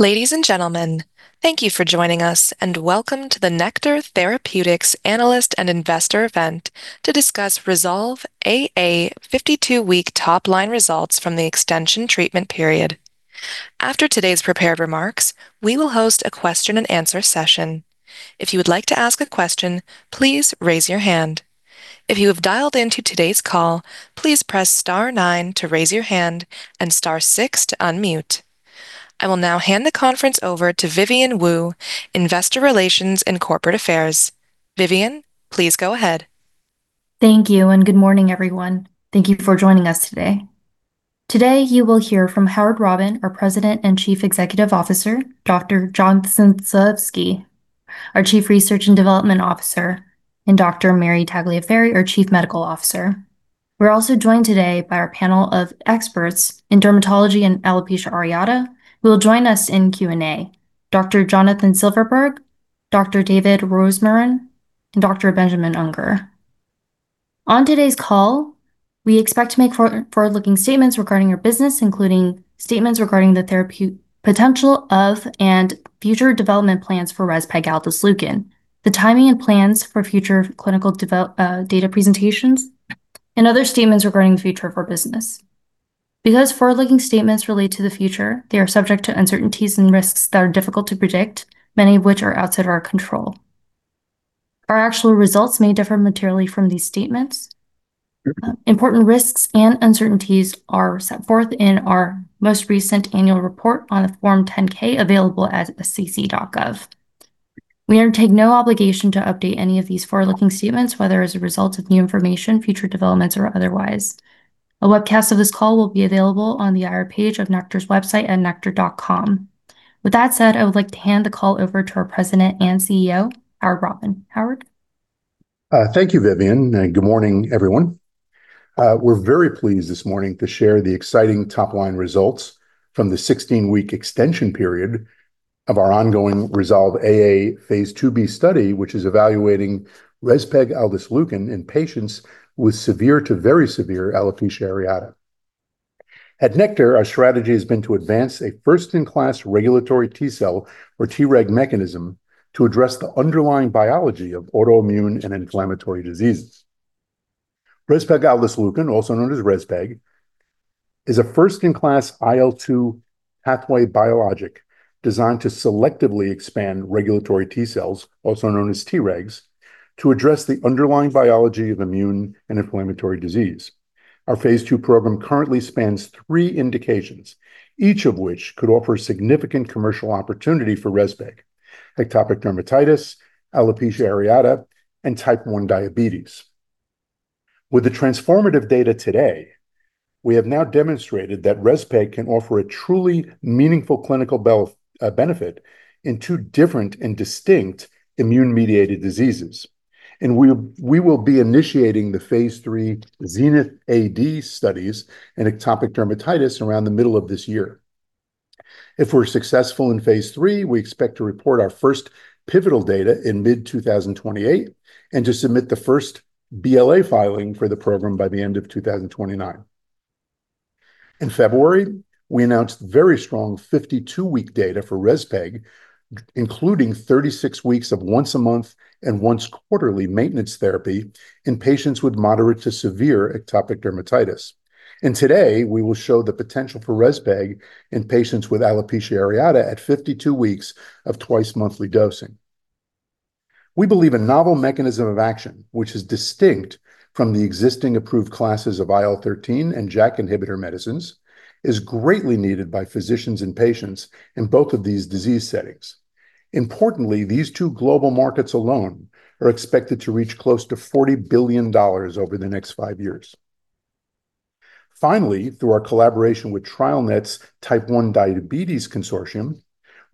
Ladies and gentlemen, thank you for joining us, and welcome to the Nektar Therapeutics Analyst and Investor event to discuss REZOLVE-AA 52-week top-line results from the extension treatment period. After today's prepared remarks, we will host a question-and-answer session. If you would like to ask a question, please raise your hand. If you have dialed into today's call, please press star nine to raise your hand and star six to unmute. I will now hand the conference over to Vivian Wu, investor relations and corporate affairs. Vivian, please go ahead. Thank you, and good morning, everyone. Thank you for joining us today. Today, you will hear from Howard Robin, our President and Chief Executive Officer, Dr. Jonathan Zalevsky, our Chief Research and Development Officer, and Dr. Mary Tagliaferri, our Chief Medical Officer. We're also joined today by our panel of experts in dermatology and alopecia areata, who will join us in Q&A, Dr. Jonathan Silverberg, Dr. David Rosmarin, and Dr. Benjamin Ungar. On today's call, we expect to make forward-looking statements regarding our business, including statements regarding the therapeutic potential of, and future development plans for rezpegaldesleukin, the timing and plans for future clinical data presentations, and other statements regarding the future of our business. Because forward-looking statements relate to the future, they are subject to uncertainties and risks that are difficult to predict, many of which are outside of our control. Our actual results may differ materially from these statements. Important risks and uncertainties are set forth in our most recent annual report on a Form 10-K, available at sec.gov. We undertake no obligation to update any of these forward-looking statements, whether as a result of new information, future developments, or otherwise. A webcast of this call will be available on the IR page of Nektar's website at nektar.com. With that said, I would like to hand the call over to our President and CEO, Howard Robin. Howard? Thank you, Vivian. Good morning, everyone. We're very pleased this morning to share the exciting top-line results from the 16-week extension period of our ongoing REZOLVE-AA phase II-B study, which is evaluating rezpegaldesleukin in patients with severe to very severe alopecia areata. At Nektar, our strategy has been to advance a first-in-class regulatory T cell, or Treg mechanism, to address the underlying biology of autoimmune and inflammatory diseases. Rezpegaldesleukin, also known as rezpeg, is a first-in-class IL-2 pathway biologic designed to selectively expand regulatory T cells, also known as Tregs, to address the underlying biology of immune and inflammatory disease. Our phase II program currently spans three indications, each of which could offer significant commercial opportunity for rezpeg: atopic dermatitis, alopecia areata, and type 1 diabetes. With the transformative data today, we have now demonstrated that rezpeg can offer a truly meaningful clinical benefit in two different and distinct immune-mediated diseases. We will be initiating the phase III ZENITH-AD studies in atopic dermatitis around the middle of this year. If we're successful in phase III, we expect to report our first pivotal data in mid-2028 and to submit the first BLA filing for the program by the end of 2029. In February, we announced very strong 52-week data for rezpeg, including 36 weeks of once-a-month and once-quarterly maintenance therapy in patients with moderate to severe atopic dermatitis. Today, we will show the potential for rezpeg in patients with alopecia areata at 52 weeks of twice-monthly dosing. We believe a novel mechanism of action, which is distinct from the existing approved classes of IL-13 and JAK inhibitor medicines, is greatly needed by physicians and patients in both of these disease settings. Importantly, these two global markets alone are expected to reach close to $40 billion over the next five years. Finally, through our collaboration with TrialNet's type 1 diabetes consortium,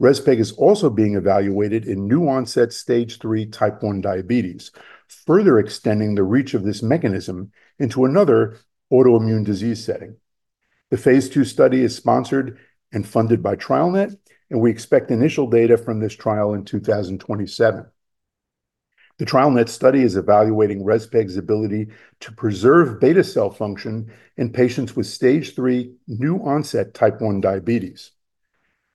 rezpeg is also being evaluated in new-onset stage 3 type 1 diabetes, further extending the reach of this mechanism into another autoimmune disease setting. The phase II study is sponsored and funded by TrialNet, and we expect initial data from this trial in 2027. The TrialNet study is evaluating rezpeg's ability to preserve beta cell function in patients with stage 3 new-onset type 1 diabetes.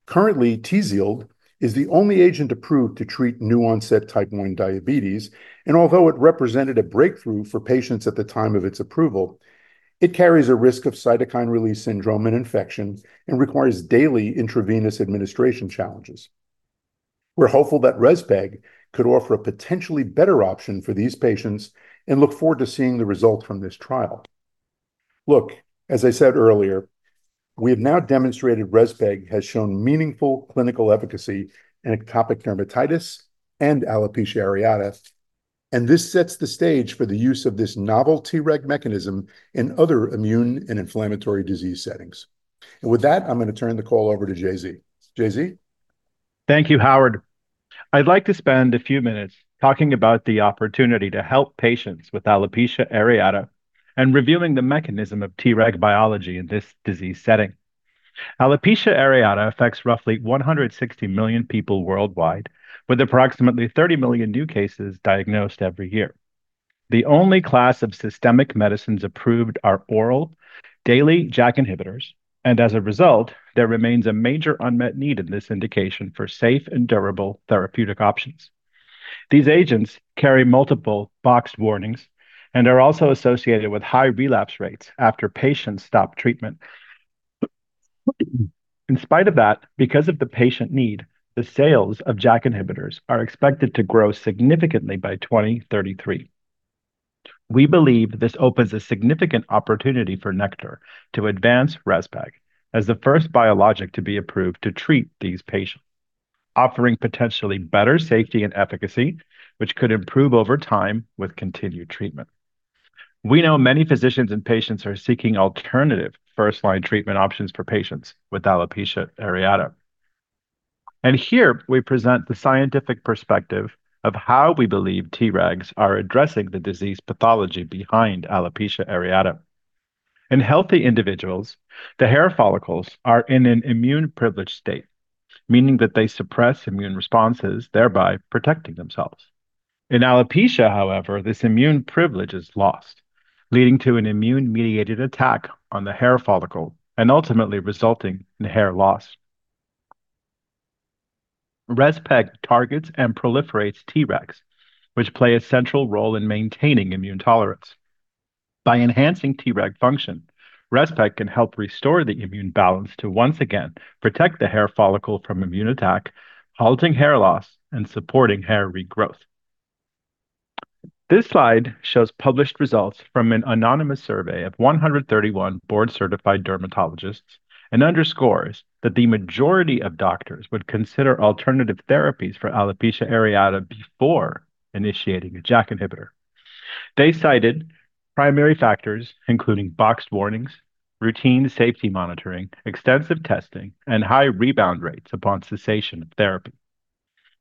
Currently, Tzield is the only agent approved to treat new-onset type 1 diabetes, and although it represented a breakthrough for patients at the time of its approval, it carries a risk of cytokine release syndrome and infection and requires daily intravenous administration challenges. We're hopeful that rezpeg could offer a potentially better option for these patients and look forward to seeing the results from this trial. Look, as I said earlier, we have now demonstrated rezpeg has shown meaningful clinical efficacy in atopic dermatitis and alopecia areata, and this sets the stage for the use of this novel Treg mechanism in other immune and inflammatory disease settings. With that, I'm going to turn the call over to JZ. JZ? Thank you, Howard. I'd like to spend a few minutes talking about the opportunity to help patients with alopecia areata and reviewing the mechanism of Treg biology in this disease setting. Alopecia areata affects roughly 160 million people worldwide, with approximately 30 million new cases diagnosed every year. The only class of systemic medicines approved are oral daily JAK inhibitors, and as a result, there remains a major unmet need in this indication for safe and durable therapeutic options. These agents carry multiple box warnings and are also associated with high relapse rates after patients stop treatment. In spite of that, because of the patient need, the sales of JAK inhibitors are expected to grow significantly by 2033. We believe this opens a significant opportunity for Nektar to advance rezpeg as the first biologic to be approved to treat these patients, offering potentially better safety and efficacy, which could improve over time with continued treatment. We know many physicians and patients are seeking alternative first-line treatment options for patients with alopecia areata. Here, we present the scientific perspective of how we believe Tregs are addressing the disease pathology behind alopecia areata. In healthy individuals, the hair follicles are in an immune privileged state, meaning that they suppress immune responses, thereby protecting themselves. In alopecia, however, this immune privilege is lost, leading to an immune-mediated attack on the hair follicle, and ultimately resulting in hair loss. Rezpeg targets and proliferates Tregs, which play a central role in maintaining immune tolerance. By enhancing Treg function, rezpeg can help restore the immune balance to once again protect the hair follicle from immune attack, halting hair loss and supporting hair regrowth. This slide shows published results from an anonymous survey of 131 board-certified dermatologists and underscores that the majority of doctors would consider alternative therapies for alopecia areata before initiating a JAK inhibitor. They cited primary factors including boxed warnings, routine safety monitoring, extensive testing, and high rebound rates upon cessation of therapy.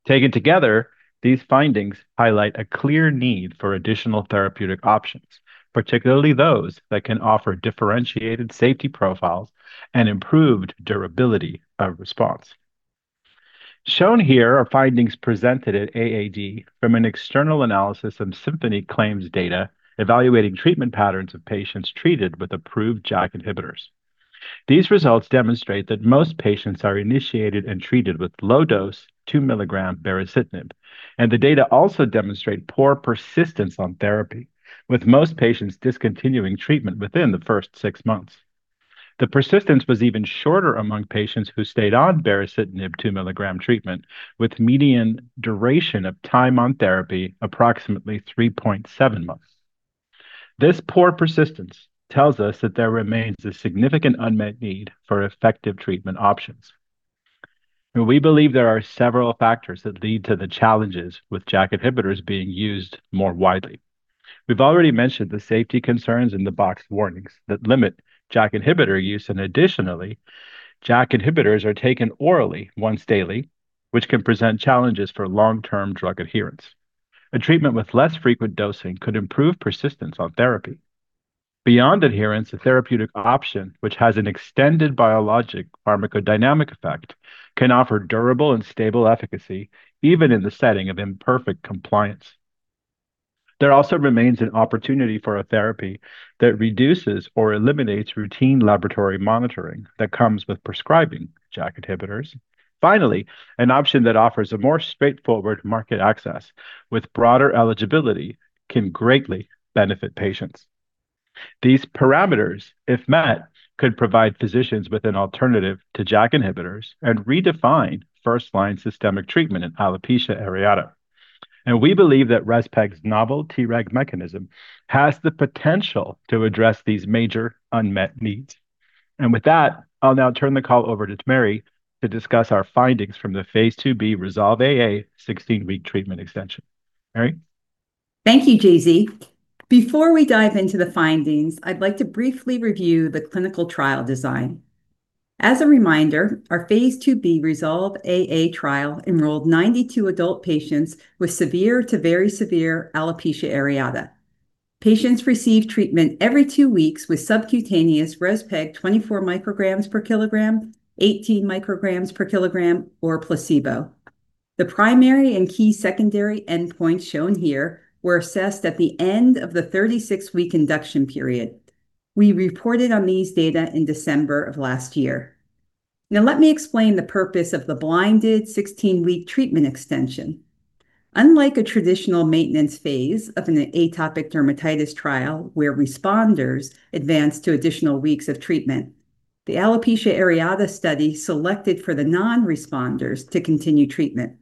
Taken together, these findings highlight a clear need for additional therapeutic options, particularly those that can offer differentiated safety profiles and improved durability of response. Shown here are findings presented at AAD from an external analysis of Symphony claims data evaluating treatment patterns of patients treated with approved JAK inhibitors. These results demonstrate that most patients are initiated and treated with low-dose 2 mg baricitinib, and the data also demonstrate poor persistence on therapy, with most patients discontinuing treatment within the first six months. The persistence was even shorter among patients who stayed on baricitinib 2 mg treatment, with median duration of time on therapy approximately 3.7 months. This poor persistence tells us that there remains a significant unmet need for effective treatment options. We believe there are several factors that lead to the challenges with JAK inhibitors being used more widely. We've already mentioned the safety concerns and the box warnings that limit JAK inhibitor use, and additionally, JAK inhibitors are taken orally once daily, which can present challenges for long-term drug adherence. A treatment with less frequent dosing could improve persistence on therapy. Beyond adherence, a therapeutic option which has an extended biologic pharmacodynamic effect can offer durable and stable efficacy, even in the setting of imperfect compliance. There also remains an opportunity for a therapy that reduces or eliminates routine laboratory monitoring that comes with prescribing JAK inhibitors. Finally, an option that offers a more straightforward market access with broader eligibility can greatly benefit patients. These parameters, if met, could provide physicians with an alternative to JAK inhibitors and redefine first-line systemic treatment in alopecia areata. We believe that rezpeg novel Treg mechanism has the potential to address these major unmet needs. With that, I'll now turn the call over to Mary to discuss our findings from the phase II-B REZOLVE-AA 16-week treatment extension. Mary? Thank you, JZ. Before we dive into the findings, I'd like to briefly review the clinical trial design. As a reminder, our phase II-B REZOLVE-AA trial enrolled 92 adult patients with severe to very severe alopecia areata. Patients received treatment every two weeks with subcutaneous rezpeg 24 mcg/kg, 18 mcg/kg, or placebo. The primary and key secondary endpoints shown here were assessed at the end of the 36-week induction period. We reported on these data in December of last year. Now, let me explain the purpose of the blinded 16-week treatment extension. Unlike a traditional maintenance phase of an atopic dermatitis trial where responders advance to additional weeks of treatment, the alopecia areata study selected for the non-responders to continue treatment.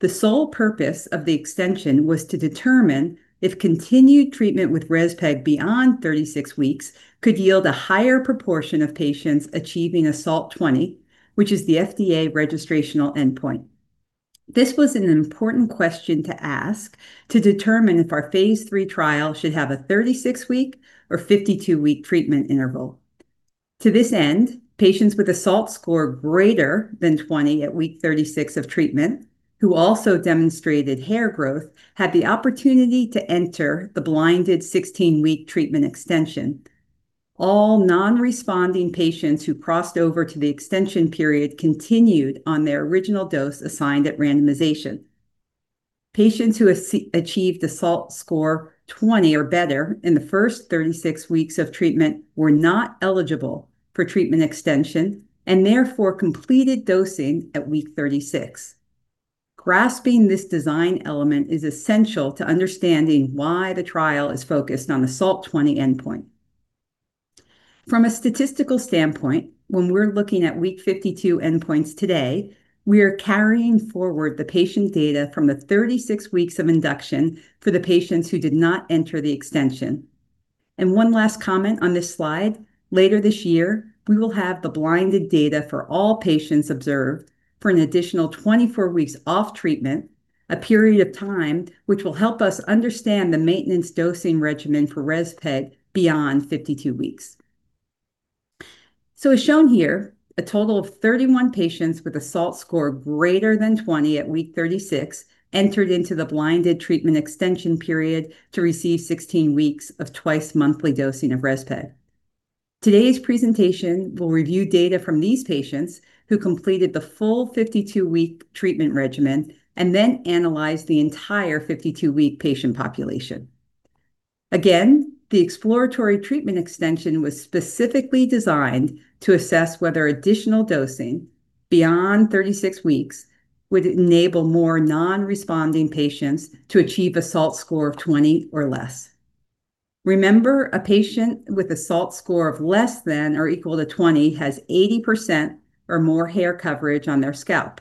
The sole purpose of the extension was to determine if continued treatment with rezpeg beyond 36 weeks could yield a higher proportion of patients achieving a SALT 20, which is the FDA registrational endpoint. This was an important question to ask to determine if our phase III trial should have a 36-week or 52-week treatment interval. To this end, patients with a SALT score greater than 20 at week 36 of treatment, who also demonstrated hair growth, had the opportunity to enter the blinded 16-week treatment extension. All non-responding patients who crossed over to the extension period continued on their original dose assigned at randomization. Patients who achieved a SALT score 20 or better in the first 36 weeks of treatment were not eligible for treatment extension, and therefore completed dosing at week 36. Grasping this design element is essential to understanding why the trial is focused on the SALT 20 endpoint. From a statistical standpoint, when we're looking at week 52 endpoints today, we are carrying forward the patient data from the 36 weeks of induction for the patients who did not enter the extension. One last comment on this slide, later this year, we will have the blinded data for all patients observed for an additional 24 weeks off treatment, a period of time which will help us understand the maintenance dosing regimen for rezpeg beyond 52 weeks. As shown here, a total of 31 patients with a SALT score greater than 20 at week 36 entered into the blinded treatment extension period to receive 16 weeks of twice monthly dosing of rezpeg. Today's presentation will review data from these patients who completed the full 52-week treatment regimen and then analyzed the entire 52-week patient population. Again, the exploratory treatment extension was specifically designed to assess whether additional dosing beyond 36 weeks would enable more non-responding patients to achieve a SALT score of 20 or less. Remember, a patient with a SALT score of less than or equal to 20 has 80% or more hair coverage on their scalp.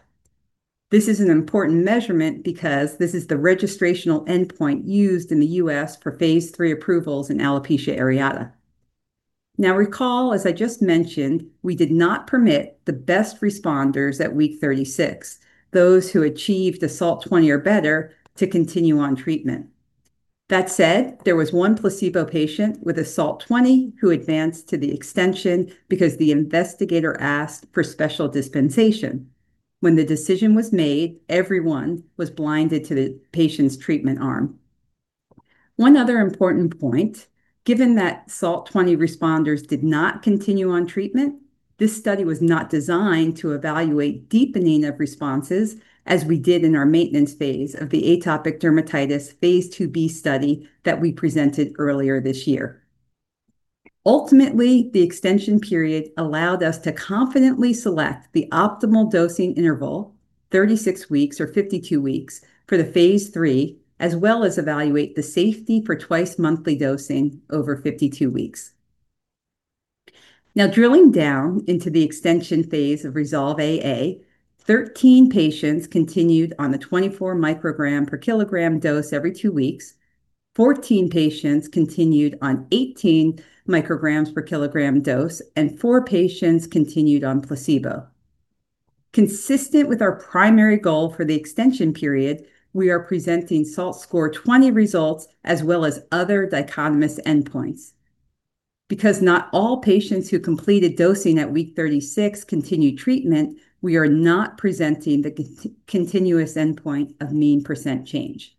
This is an important measurement because this is the registrational endpoint used in the U.S. for phase III approvals in alopecia areata. Now recall, as I just mentioned, we did not permit the best responders at week 36, those who achieved a SALT 20 or better, to continue on treatment. That said, there was one placebo patient with a SALT 20 who advanced to the extension because the investigator asked for special dispensation. When the decision was made, everyone was blinded to the patient's treatment arm. One other important point, given that SALT 20 responders did not continue on treatment, this study was not designed to evaluate deepening of responses as we did in our maintenance phase of the atopic dermatitis phase II-B study that we presented earlier this year. Ultimately, the extension period allowed us to confidently select the optimal dosing interval, 36 weeks or 52 weeks, for the phase III, as well as evaluate the safety for twice monthly dosing over 52 weeks. Now, drilling down into the extension phase of REZOLVE-AA, 13 patients continued on the 24 mcg/kg dose every two weeks, 14 patients continued on 18 mcg/kg dose, and four patients continued on placebo. Consistent with our primary goal for the extension period, we are presenting SALT score 20 results, as well as other dichotomous endpoints. Because not all patients who completed dosing at week 36 continued treatment, we are not presenting the continuous endpoint of mean percent change.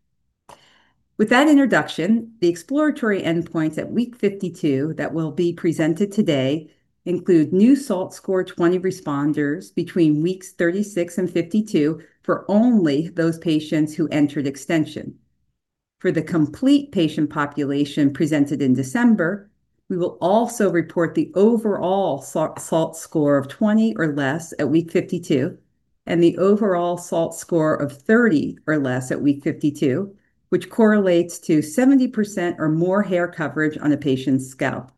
With that introduction, the exploratory endpoints at week 52 that will be presented today include new SALT score 20 responders between weeks 36 and 52 for only those patients who entered extension. For the complete patient population presented in December, we will also report the overall SALT score of 20 or less at week 52 and the overall SALT score of 30 or less at week 52, which correlates to 70% or more hair coverage on a patient's scalp.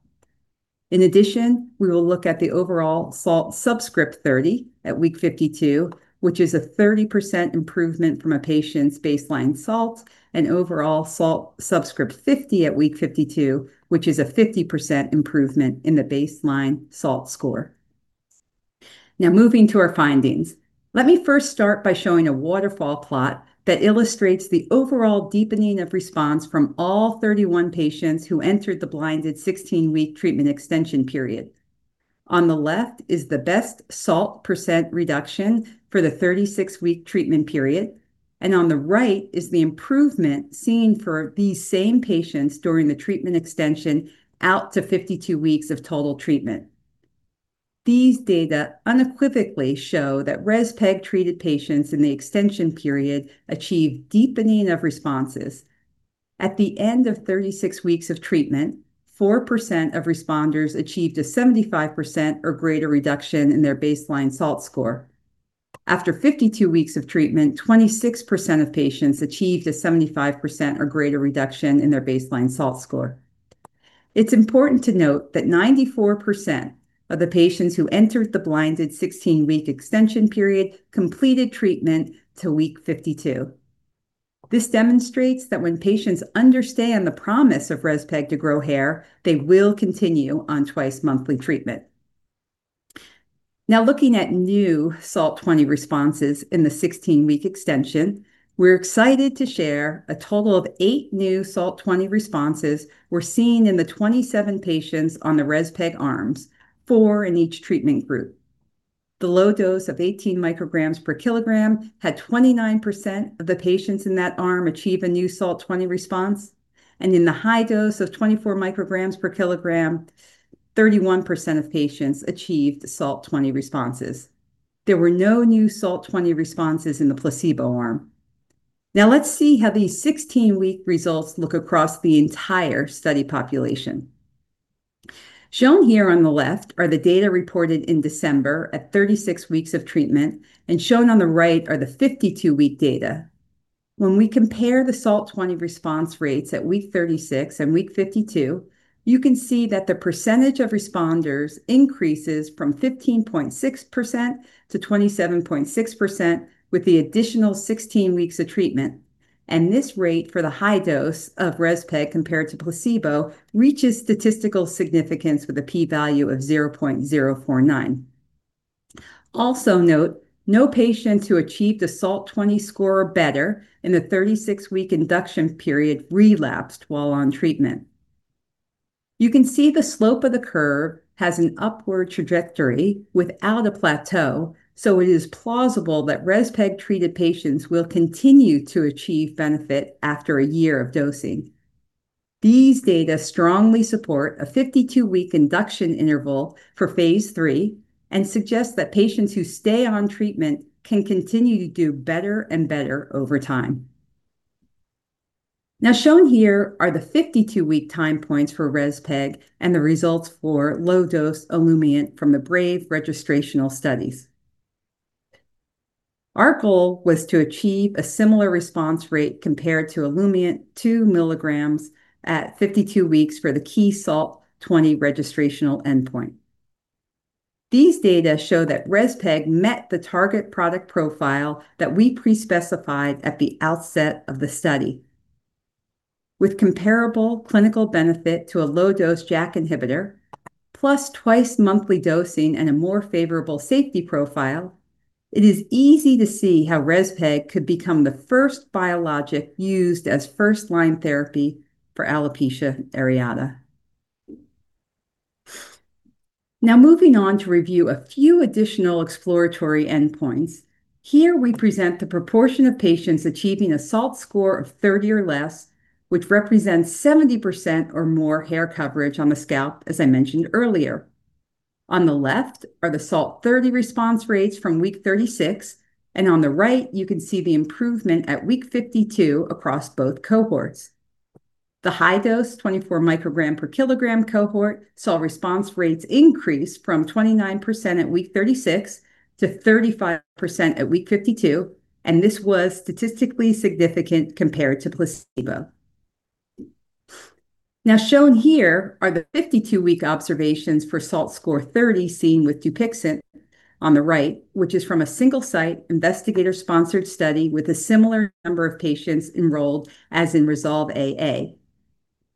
In addition, we will look at the overall SALT 30 at week 52, which is a 30% improvement from a patient's baseline SALT, and overall SALT 50 at week 52, which is a 50% improvement in the baseline SALT score. Now moving to our findings. Let me first start by showing a waterfall plot that illustrates the overall deepening of response from all 31 patients who entered the blinded 16-week treatment extension period. On the left is the best SALT percent reduction for the 36-week treatment period, and on the right is the improvement seen for these same patients during the treatment extension out to 52 weeks of total treatment. These data unequivocally show that rezpeg-treated patients in the extension period achieved deepening of responses. At the end of 36 weeks of treatment, 4% of responders achieved a 75% or greater reduction in their baseline SALT score. After 52 weeks of treatment, 26% of patients achieved a 75% or greater reduction in their baseline SALT score. It's important to note that 94% of the patients who entered the blinded 16-week extension period completed treatment to week 52. This demonstrates that when patients understand the promise of rezpeg to grow hair, they will continue on twice-monthly treatment. Now looking at new SALT 20 responses in the 16-week extension, we're excited to share a total of eight new SALT 20 responses were seen in the 27 patients on the rezpeg arms, four in each treatment group. The low dose of 18 mcg/kg had 29% of the patients in that arm achieve a new SALT 20 response, and in the high dose of 24 mcg/kg, 31% of patients achieved SALT 20 responses. There were no new SALT 20 responses in the placebo arm. Now let's see how these 16-week results look across the entire study population. Shown here on the left are the data reported in December at 36 weeks of treatment, and shown on the right are the 52-week data. When we compare the SALT 20 response rates at week 36 and week 52, you can see that the percentage of responders increases from 15.6%-27.6% with the additional 16 weeks of treatment. This rate for the high dose of rezpeg compared to placebo reaches statistical significance with a p-value of 0.049. Also note, no patient who achieved a SALT 20 score or better in the 36-week induction period relapsed while on treatment. You can see the slope of the curve has an upward trajectory without a plateau, so it is plausible that rezpeg-treated patients will continue to achieve benefit after a year of dosing. These data strongly support a 52-week induction interval for phase III and suggest that patients who stay on treatment can continue to do better and better over time. Now shown here are the 52-week time points for rezpeg and the results for low-dose Olumiant from the BRAVE registrational studies. Our goal was to achieve a similar response rate compared to Olumiant 2 mg at 52 weeks for the key SALT 20 registrational endpoint. These data show that rezpeg met the target product profile that we pre-specified at the outset of the study. With comparable clinical benefit to a low-dose JAK inhibitor, plus twice monthly dosing and a more favorable safety profile, it is easy to see how rezpeg could become the first biologic used as first-line therapy for alopecia areata. Now moving on to review a few additional exploratory endpoints. Here we present the proportion of patients achieving a SALT score of 30 or less, which represents 70% or more hair coverage on the scalp, as I mentioned earlier. On the left are the SALT 30 response rates from week 36, and on the right, you can see the improvement at week 52 across both cohorts. The high-dose 24 mcg/kg cohort saw response rates increase from 29% at week 36 to 35% at week 52, and this was statistically significant compared to placebo. Now shown here are the 52-week observations for SALT score 30 seen with Dupixent on the right, which is from a single-site, investigator-sponsored study with a similar number of patients enrolled as in REZOLVE-AA.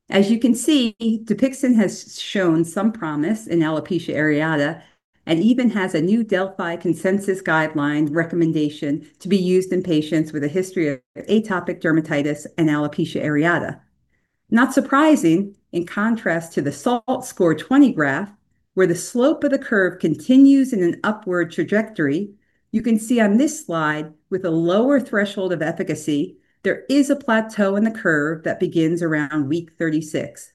As you can see, Dupixent has shown some promise in alopecia areata and even has a new Delphi consensus guideline recommendation to be used in patients with a history of atopic dermatitis and alopecia areata. Not surprising, in contrast to the SALT 20 graph, where the slope of the curve continues in an upward trajectory, you can see on this slide, with a lower threshold of efficacy, there is a plateau in the curve that begins around week 36.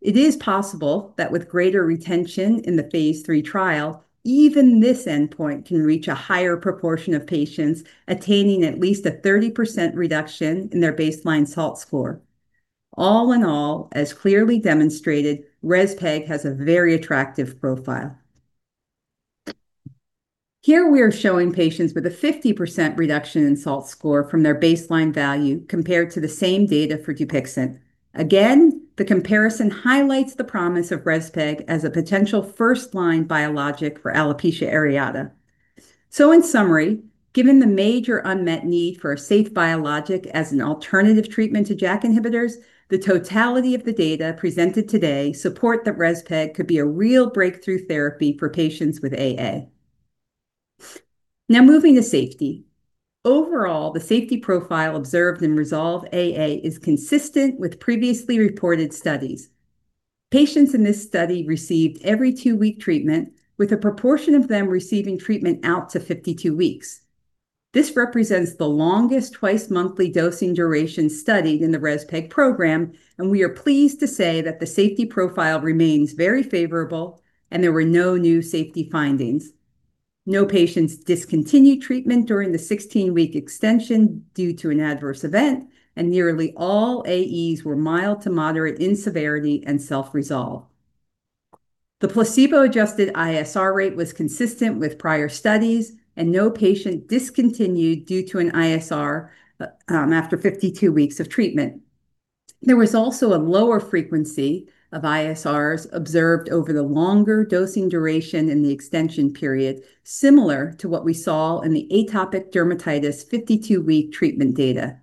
It is possible that with greater retention in the phase III trial, even this endpoint can reach a higher proportion of patients attaining at least a 30% reduction in their baseline SALT score. All in all, as clearly demonstrated, rezpeg has a very attractive profile. Here we are showing patients with a 50% reduction in SALT score from their baseline value compared to the same data for Dupixent. The comparison highlights the promise of rezpeg as a potential first-line biologic for alopecia areata. In summary, given the major unmet need for a safe biologic as an alternative treatment to JAK inhibitors, the totality of the data presented today support that rezpeg could be a real breakthrough therapy for patients with AA. Now moving to safety. Overall, the safety profile observed in REZOLVE-AA is consistent with previously reported studies. Patients in this study received every two-week treatment, with a proportion of them receiving treatment out to 52 weeks. This represents the longest twice-monthly dosing duration studied in the rezpeg program, and we are pleased to say that the safety profile remains very favorable, and there were no new safety findings. No patients discontinued treatment during the 16-week extension due to an adverse event, and nearly all AEs were mild to moderate in severity and self-resolve. The placebo-adjusted ISR rate was consistent with prior studies, and no patient discontinued due to an ISR after 52 weeks of treatment. There was also a lower frequency of ISRs observed over the longer dosing duration in the extension period, similar to what we saw in the atopic dermatitis 52-week treatment data.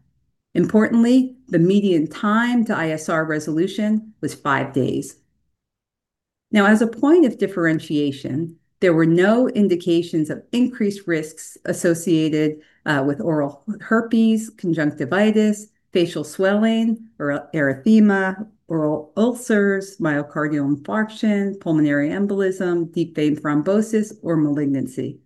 Importantly, the median time to ISR resolution was five days. Now, as a point of differentiation, there were no indications of increased risks associated with oral herpes, conjunctivitis, facial swelling or erythema, oral ulcers, myocardial infarction, pulmonary embolism, deep vein thrombosis, or malignancy.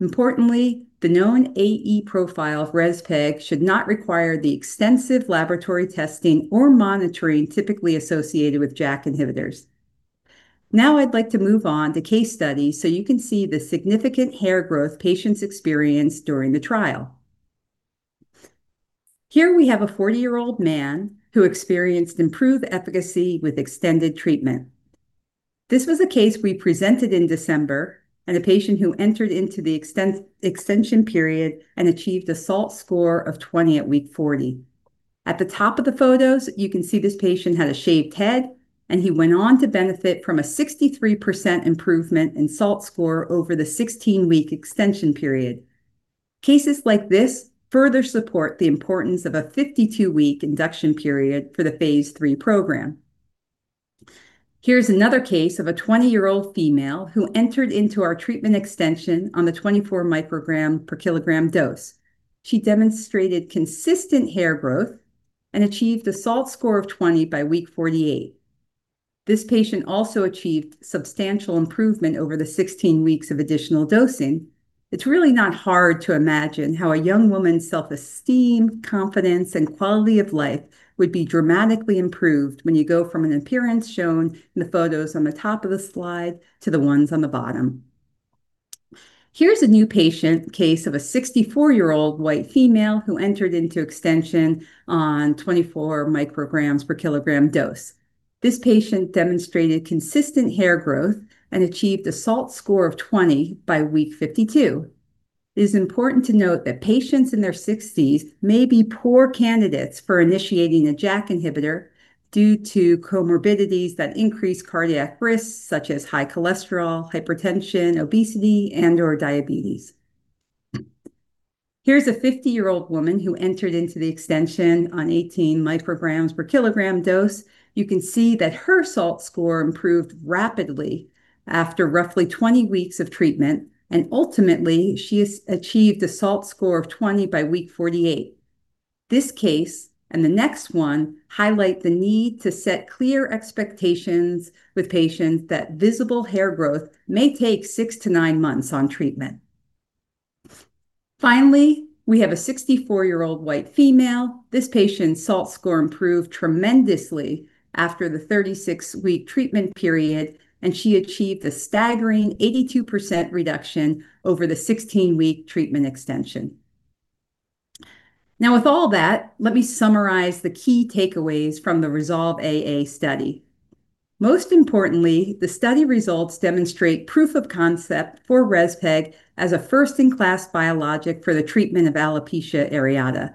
Importantly, the known AE profile of rezpeg should not require the extensive laboratory testing or monitoring typically associated with JAK inhibitors. Now I'd like to move on to case studies so you can see the significant hair growth patients experienced during the trial. Here we have a 40-year-old man who experienced improved efficacy with extended treatment. This was a case we presented in December, and a patient who entered into the extension period and achieved a SALT score of 20 at week 40. At the top of the photos, you can see this patient had a shaved head, and he went on to benefit from a 63% improvement in SALT score over the 16-week extension period. Cases like this further support the importance of a 52-week induction period for the phase III program. Here's another case of a 20-year-old female who entered into our treatment extension on the 24 mcg/kg dose. She demonstrated consistent hair growth and achieved a SALT score of 20 by week 48. This patient also achieved substantial improvement over the 16 weeks of additional dosing. It's really not hard to imagine how a young woman's self-esteem, confidence, and quality of life would be dramatically improved when you go from an appearance shown in the photos on the top of the slide to the ones on the bottom. Here's a new patient case of a 64-year-old white female who entered into extension on 24 mcg/kg dose. This patient demonstrated consistent hair growth and achieved a SALT score of 20 by week 52. It is important to note that patients in their 60s may be poor candidates for initiating a JAK inhibitor due to comorbidities that increase cardiac risks, such as high cholesterol, hypertension, obesity, and/or diabetes. Here's a 50-year-old woman who entered into the extension on 18 mcg/kg dose. You can see that her SALT score improved rapidly after roughly 20 weeks of treatment, and ultimately, she achieved a SALT score of 20 by week 48. This case and the next one highlight the need to set clear expectations with patients that visible hair growth may take six to nine months on treatment. Finally, we have a 64-year-old white female. This patient's SALT score improved tremendously after the 36-week treatment period, and she achieved a staggering 82% reduction over the 16-week treatment extension. Now with all that, let me summarize the key takeaways from the REZOLVE-AA study. Most importantly, the study results demonstrate proof of concept for rezpeg as a first-in-class biologic for the treatment of alopecia areata.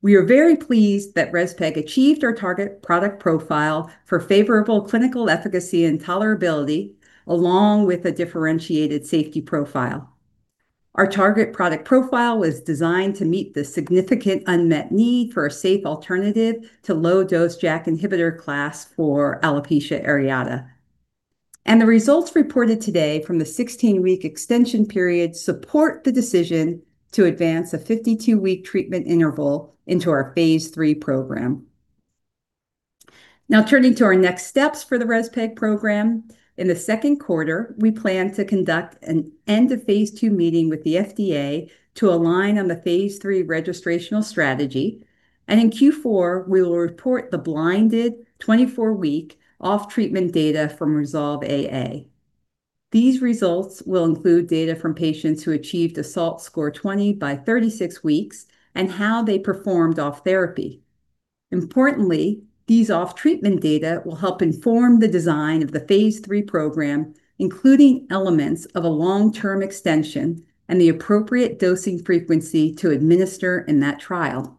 We are very pleased that rezpeg achieved our target product profile for favorable clinical efficacy and tolerability, along with a differentiated safety profile. Our target product profile was designed to meet the significant unmet need for a safe alternative to low-dose JAK inhibitor class for alopecia areata. The results reported today from the 16-week extension period support the decision to advance a 52-week treatment interval into our phase III program. Now turning to our next steps for the rezpeg program. In the second quarter, we plan to conduct an end-of-phase II meeting with the FDA to align on the phase III registrational strategy. In Q4, we will report the blinded 24-week off-treatment data from REZOLVE-AA. These results will include data from patients who achieved a SALT score 20 by 36 weeks and how they performed off therapy. Importantly, these off-treatment data will help inform the design of the phase III program, including elements of a long-term extension and the appropriate dosing frequency to administer in that trial.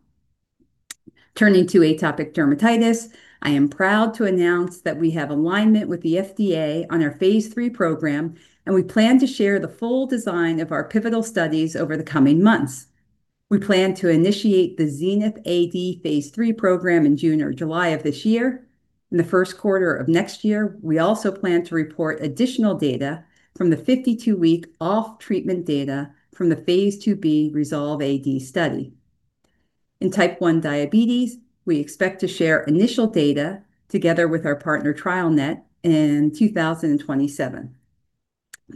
Turning to atopic dermatitis, I am proud to announce that we have alignment with the FDA on our phase III program, and we plan to share the full design of our pivotal studies over the coming months. We plan to initiate the ZENITH-AD phase III program in June or July of this year. In the first quarter of next year, we also plan to report additional data from the 52-week off-treatment data from the phase II-B REZOLVE-AD study. In type 1 diabetes, we expect to share initial data together with our partner, TrialNet, in 2027.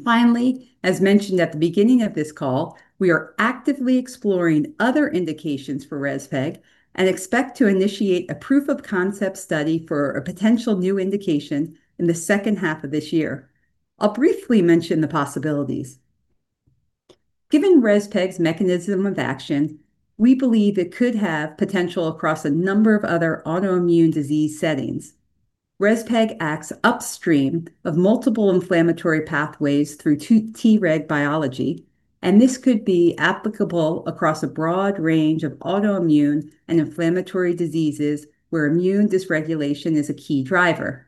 Finally, as mentioned at the beginning of this call, we are actively exploring other indications for rezpeg and expect to initiate a proof of concept study for a potential new indication in the second half of this year. I'll briefly mention the possibilities. Given rezpeg's mechanism of action, we believe it could have potential across a number of other autoimmune disease settings. Rezpeg acts upstream of multiple inflammatory pathways through Treg biology, and this could be applicable across a broad range of autoimmune and inflammatory diseases where immune dysregulation is a key driver.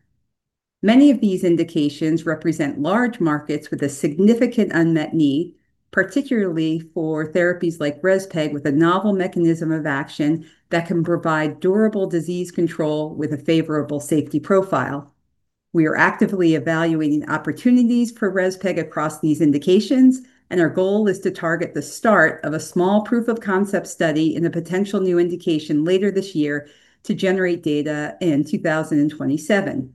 Many of these indications represent large markets with a significant unmet need, particularly for therapies like rezpeg with a novel mechanism of action that can provide durable disease control with a favorable safety profile. We are actively evaluating opportunities for rezpeg across these indications, and our goal is to target the start of a small proof of concept study in a potential new indication later this year to generate data in 2027.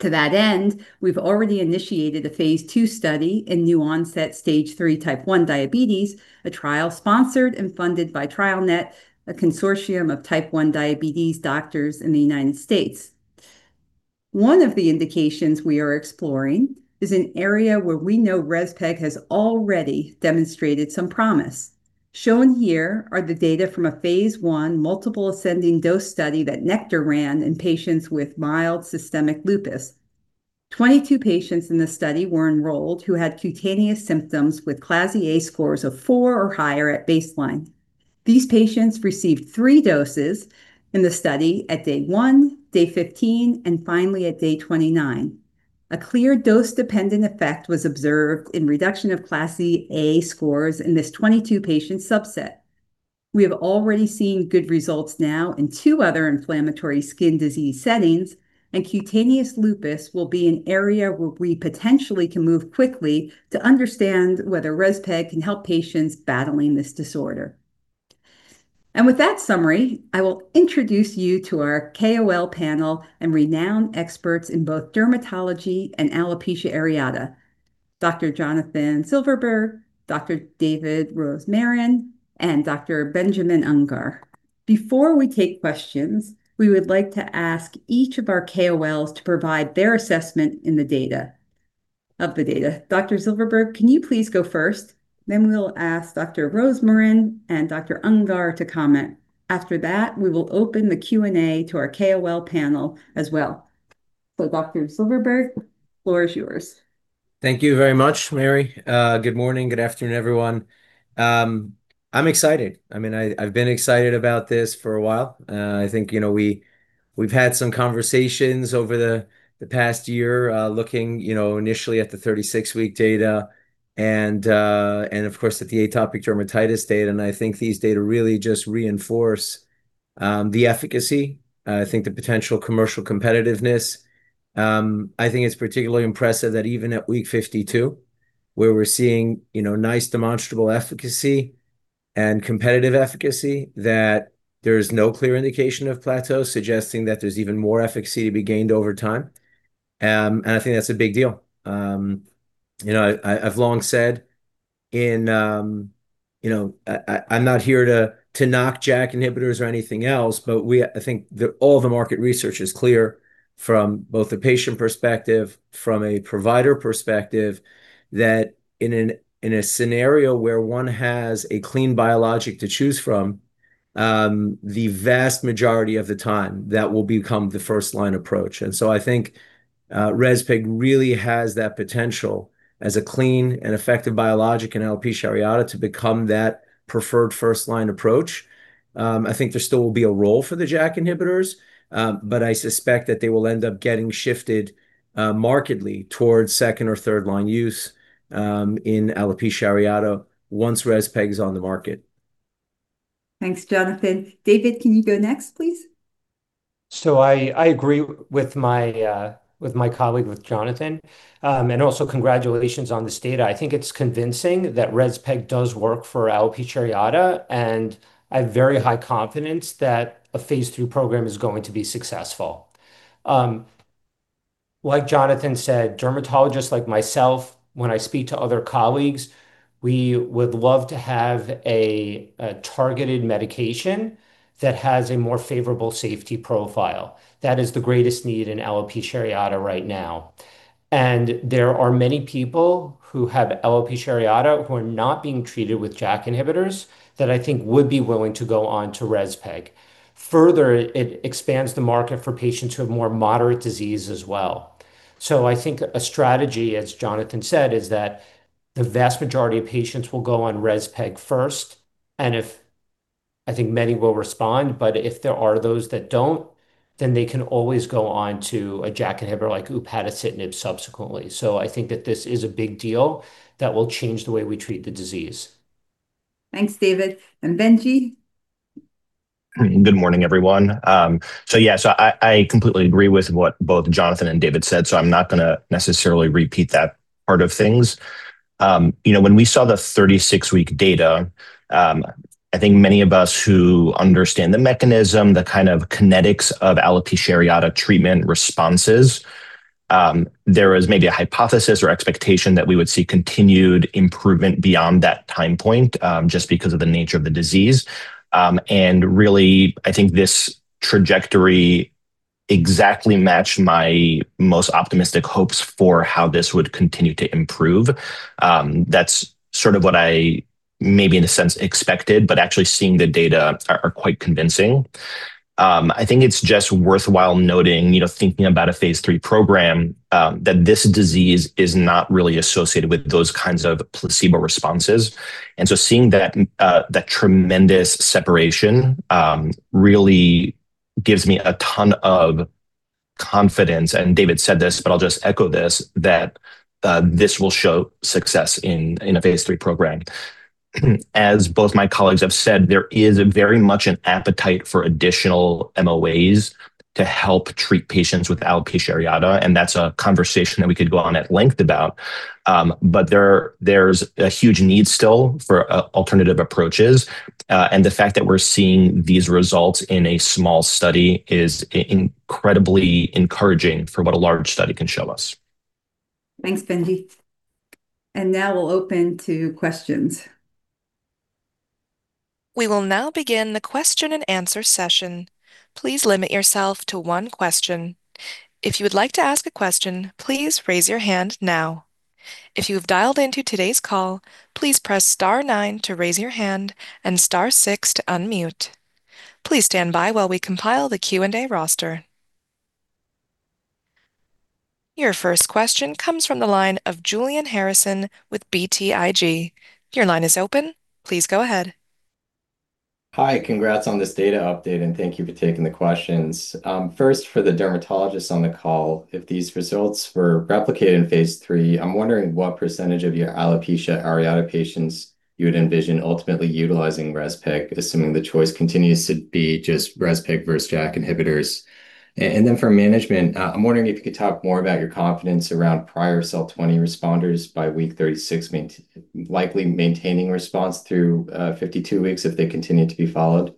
To that end, we've already initiated a phase II study in new onset stage 3 type 1 diabetes, a trial sponsored and funded by TrialNet, a consortium of type 1 diabetes doctors in the United States. One of the indications we are exploring is an area where we know rezpeg has already demonstrated some promise. Shown here are the data from a phase I multiple ascending dose study that Nektar ran in patients with mild systemic lupus. 22 patients in the study were enrolled who had cutaneous symptoms with CLASI-A scores of four or higher at baseline. These patients received three doses in the study at day one, day 15, and finally at day 29. A clear dose-dependent effect was observed in reduction of CLASI-A scores in this 22-patient subset. We have already seen good results now in two other inflammatory skin disease settings, and cutaneous lupus will be an area where we potentially can move quickly to understand whether rezpeg can help patients battling this disorder. With that summary, I will introduce you to our KOL panel and renowned experts in both dermatology and alopecia areata, Dr. Jonathan Silverberg, Dr. David Rosmarin, and Dr. Benjamin Ungar. Before we take questions, we would like to ask each of our KOLs to provide their assessment of the data. Dr. Silverberg, can you please go first? Then we'll ask Dr. Rosmarin and Dr. Ungar to comment. After that, we will open the Q&A to our KOL panel as well. Dr. Silverberg, floor is yours. Thank you very much, Mary. Good morning. Good afternoon, everyone. I'm excited. I've been excited about this for a while. I think we've had some conversations over the past year, looking initially at the 36-week data and, of course, at the atopic dermatitis data. I think these data really just reinforce the efficacy. I think the potential commercial competitiveness. I think it's particularly impressive that even at week 52, where we're seeing nice demonstrable efficacy and competitive efficacy, that there is no clear indication of plateau, suggesting that there's even more efficacy to be gained over time. I think that's a big deal. I've long said, I'm not here to knock JAK inhibitors or anything else, but I think all the market research is clear from both a patient perspective, from a provider perspective, that in a scenario where one has a clean biologic to choose from, the vast majority of the time, that will become the first-line approach. I think rezpeg really has that potential as a clean and effective biologic in alopecia areata to become that preferred first-line approach. I think there still will be a role for the JAK inhibitors, but I suspect that they will end up getting shifted markedly towards second- or third-line use in alopecia areata once rezpeg's on the market. Thanks, Jonathan. David, can you go next, please? I agree with my colleague, with Jonathan. Also, congratulations on this data. I think it's convincing that rezpeg does work for alopecia areata, and I have very high confidence that a phase II program is going to be successful. Like Jonathan said, dermatologists like myself, when I speak to other colleagues, we would love to have a targeted medication that has a more favorable safety profile. That is the greatest need in alopecia areata right now. There are many people who have alopecia areata who are not being treated with JAK inhibitors that I think would be willing to go on to rezpeg. Further, it expands the market for patients who have more moderate disease as well. I think a strategy, as Jonathan said, is that the vast majority of patients will go on rezpeg first, and I think many will respond, but if there are those that don't, then they can always go on to a JAK inhibitor like upadacitinib subsequently. I think that this is a big deal that will change the way we treat the disease. Thanks, David. And Benji? Good morning, everyone. Yeah. I completely agree with what both Jonathan and David said, so I'm not going to necessarily repeat that part of things. When we saw the 36-week data, I think many of us who understand the mechanism, the kind of kinetics of alopecia areata treatment responses, there was maybe a hypothesis or expectation that we would see continued improvement beyond that time point, just because of the nature of the disease. Really, I think this trajectory exactly matched my most optimistic hopes for how this would continue to improve. That's sort of what I maybe in a sense expected, but actually seeing the data are quite convincing. I think it's just worthwhile noting, thinking about a phase III program, that this disease is not really associated with those kinds of placebo responses. Seeing that tremendous separation really gives me a ton of confidence. David said this, but I'll just echo this, that this will show success in a phase III program. As both my colleagues have said, there is very much an appetite for additional MOAs to help treat patients with alopecia areata, and that's a conversation that we could go on at length about. There's a huge need still for alternative approaches, and the fact that we're seeing these results in a small study is incredibly encouraging for what a large study can show us. Thanks, Benji. Now we'll open to questions. We will now begin the question-and-answer session. Please limit yourself to one question. If you would like to ask a question, please raise your hand now. If you've dialed into today's call, please press star nine to raise your hand and star six to unmute. Please stand by while we compile the Q&A roster. Your first question comes from the line of Julian Harrison with BTIG. Your line is open. Please go ahead. Hi. Congrats on this data update, and thank you for taking the questions. First, for the dermatologists on the call, if these results were replicated in phase III, I'm wondering what percentage of your alopecia areata patients you would envision ultimately utilizing rezpeg, assuming the choice continues to be just rezpeg versus JAK inhibitors. For management, I'm wondering if you could talk more about your confidence around SALT 20 responders by week 36, likely maintaining response through 52 weeks if they continue to be followed.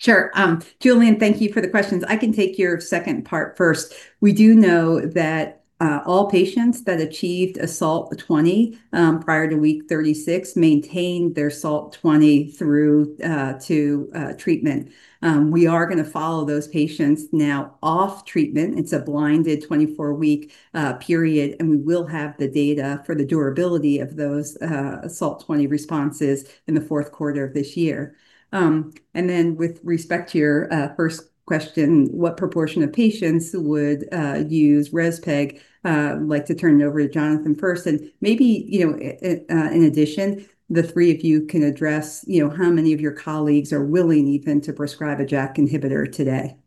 Sure. Julian, thank you for the questions. I can take your second part first. We do know that all patients that achieved a SALT 20 prior to week 36 maintained their SALT 20 through to treatment. We are going to follow those patients now off treatment. It's a blinded 24-week period, and we will have the data for the durability of those SALT 20 responses in the fourth quarter of this year. With respect to your first question, what proportion of patients would use rezpeg? I'd like to turn it over to Jonathan first. Maybe, in addition, the three of you can address how many of your colleagues are willing even to prescribe a JAK inhibitor today.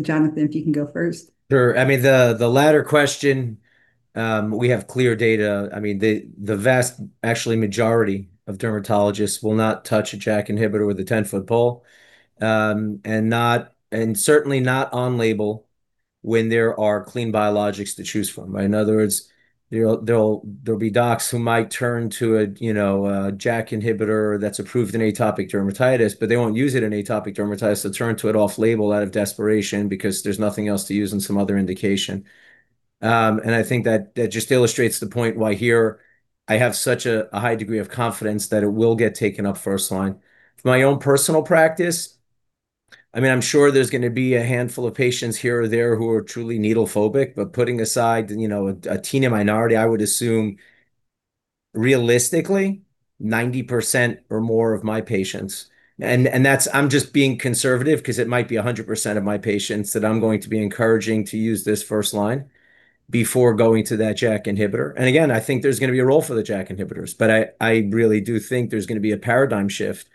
Jonathan, if you can go first. Sure. The latter question, we have clear data. The vast, actually, majority of dermatologists will not touch a JAK inhibitor with a 10-foot pole, and certainly not on label when there are clean biologics to choose from. In other words, there'll be docs who might turn to a JAK inhibitor that's approved in atopic dermatitis, but they won't use it in atopic dermatitis. They'll turn to it off-label out of desperation because there's nothing else to use in some other indication. And I think that just illustrates the point why here I have such a high degree of confidence that it will get taken up first-line. For my own personal practice, I'm sure there's going to be a handful of patients here or there who are truly needle-phobic. Putting aside a teeny minority, I would assume, realistically, 90% or more of my patients. I'm just being conservative because it might be 100% of my patients that I'm going to be encouraging to use this first-line before going to that JAK inhibitor. Again, I think there's going to be a role for the JAK inhibitors, but I really do think there's going to be a paradigm shift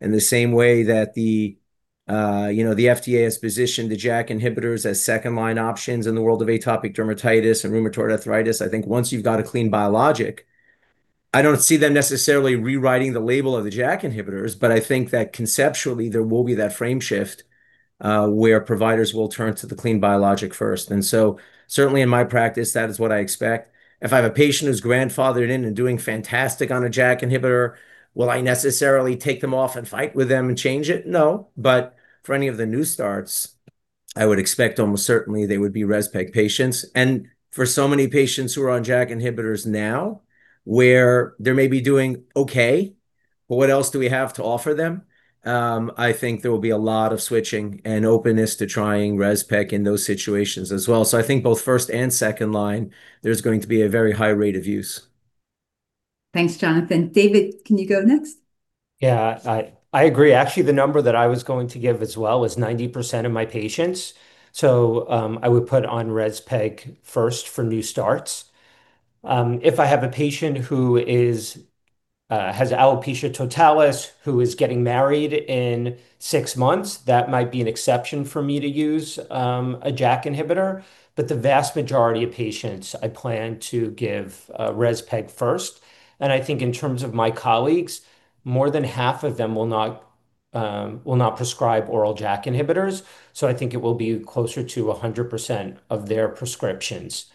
in the same way that the FDA has positioned the JAK inhibitors as second-line options in the world of atopic dermatitis and rheumatoid arthritis. I think once you've got a clean biologic, I don't see them necessarily rewriting the label of the JAK inhibitors. But I think that conceptually, there will be that frame shift, where providers will turn to the clean biologic first. Certainly in my practice, that is what I expect. If I have a patient who's grandfathered in and doing fantastic on a JAK inhibitor, will I necessarily take them off and fight with them and change it? No. For any of the new starts, I would expect almost certainly they would be rezpeg patients. For so many patients who are on JAK inhibitors now, where they may be doing okay, but what else do we have to offer them? I think there will be a lot of switching and openness to trying rezpeg in those situations as well. I think both first and second-line, there's going to be a very high rate of use. Thanks, Jonathan. David, can you go next? Yeah. I agree. Actually, the number that I was going to give as well was 90% of my patients. I would put on rezpeg first for new starts. If I have a patient who has alopecia totalis, who is getting married in six months, that might be an exception for me to use a JAK inhibitor. The vast majority of patients, I plan to give rezpeg first. I think in terms of my colleagues, more than half of them will not prescribe oral JAK inhibitors. I think it will be closer to 100% of their prescriptions.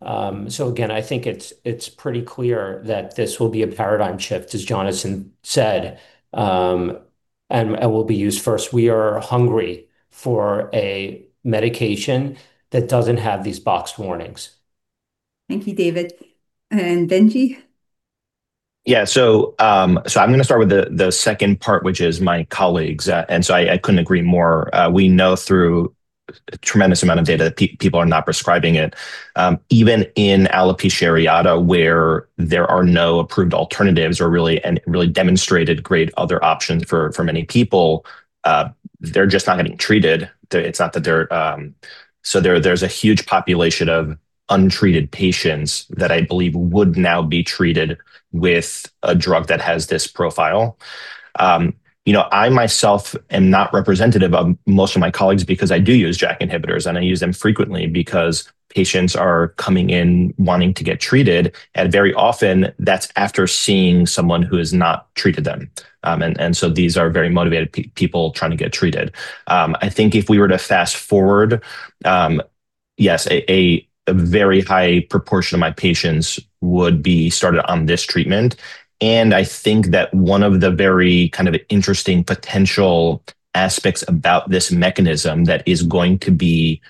Again, I think it's pretty clear that this will be a paradigm shift, as Jonathan said, and will be used first. We are hungry for a medication that doesn't have these boxed warnings. Thank you, David. Benjamin? Yeah. I'm going to start with the second part, which is my colleagues. I couldn't agree more. We know through a tremendous amount of data that people are not prescribing it. Even in alopecia areata, where there are no approved alternatives or really demonstrated great other options for many people, they're just not getting treated. There's a huge population of untreated patients that I believe would now be treated with a drug that has this profile. I myself am not representative of most of my colleagues because I do use JAK inhibitors, and I use them frequently because patients are coming in wanting to get treated. Very often, that's after seeing someone who has not treated them. These are very motivated people trying to get treated. I think if we were to fast-forward, yes, a very high proportion of my patients would be started on this treatment. I think that one of the very interesting potential aspects about this mechanism that is going to be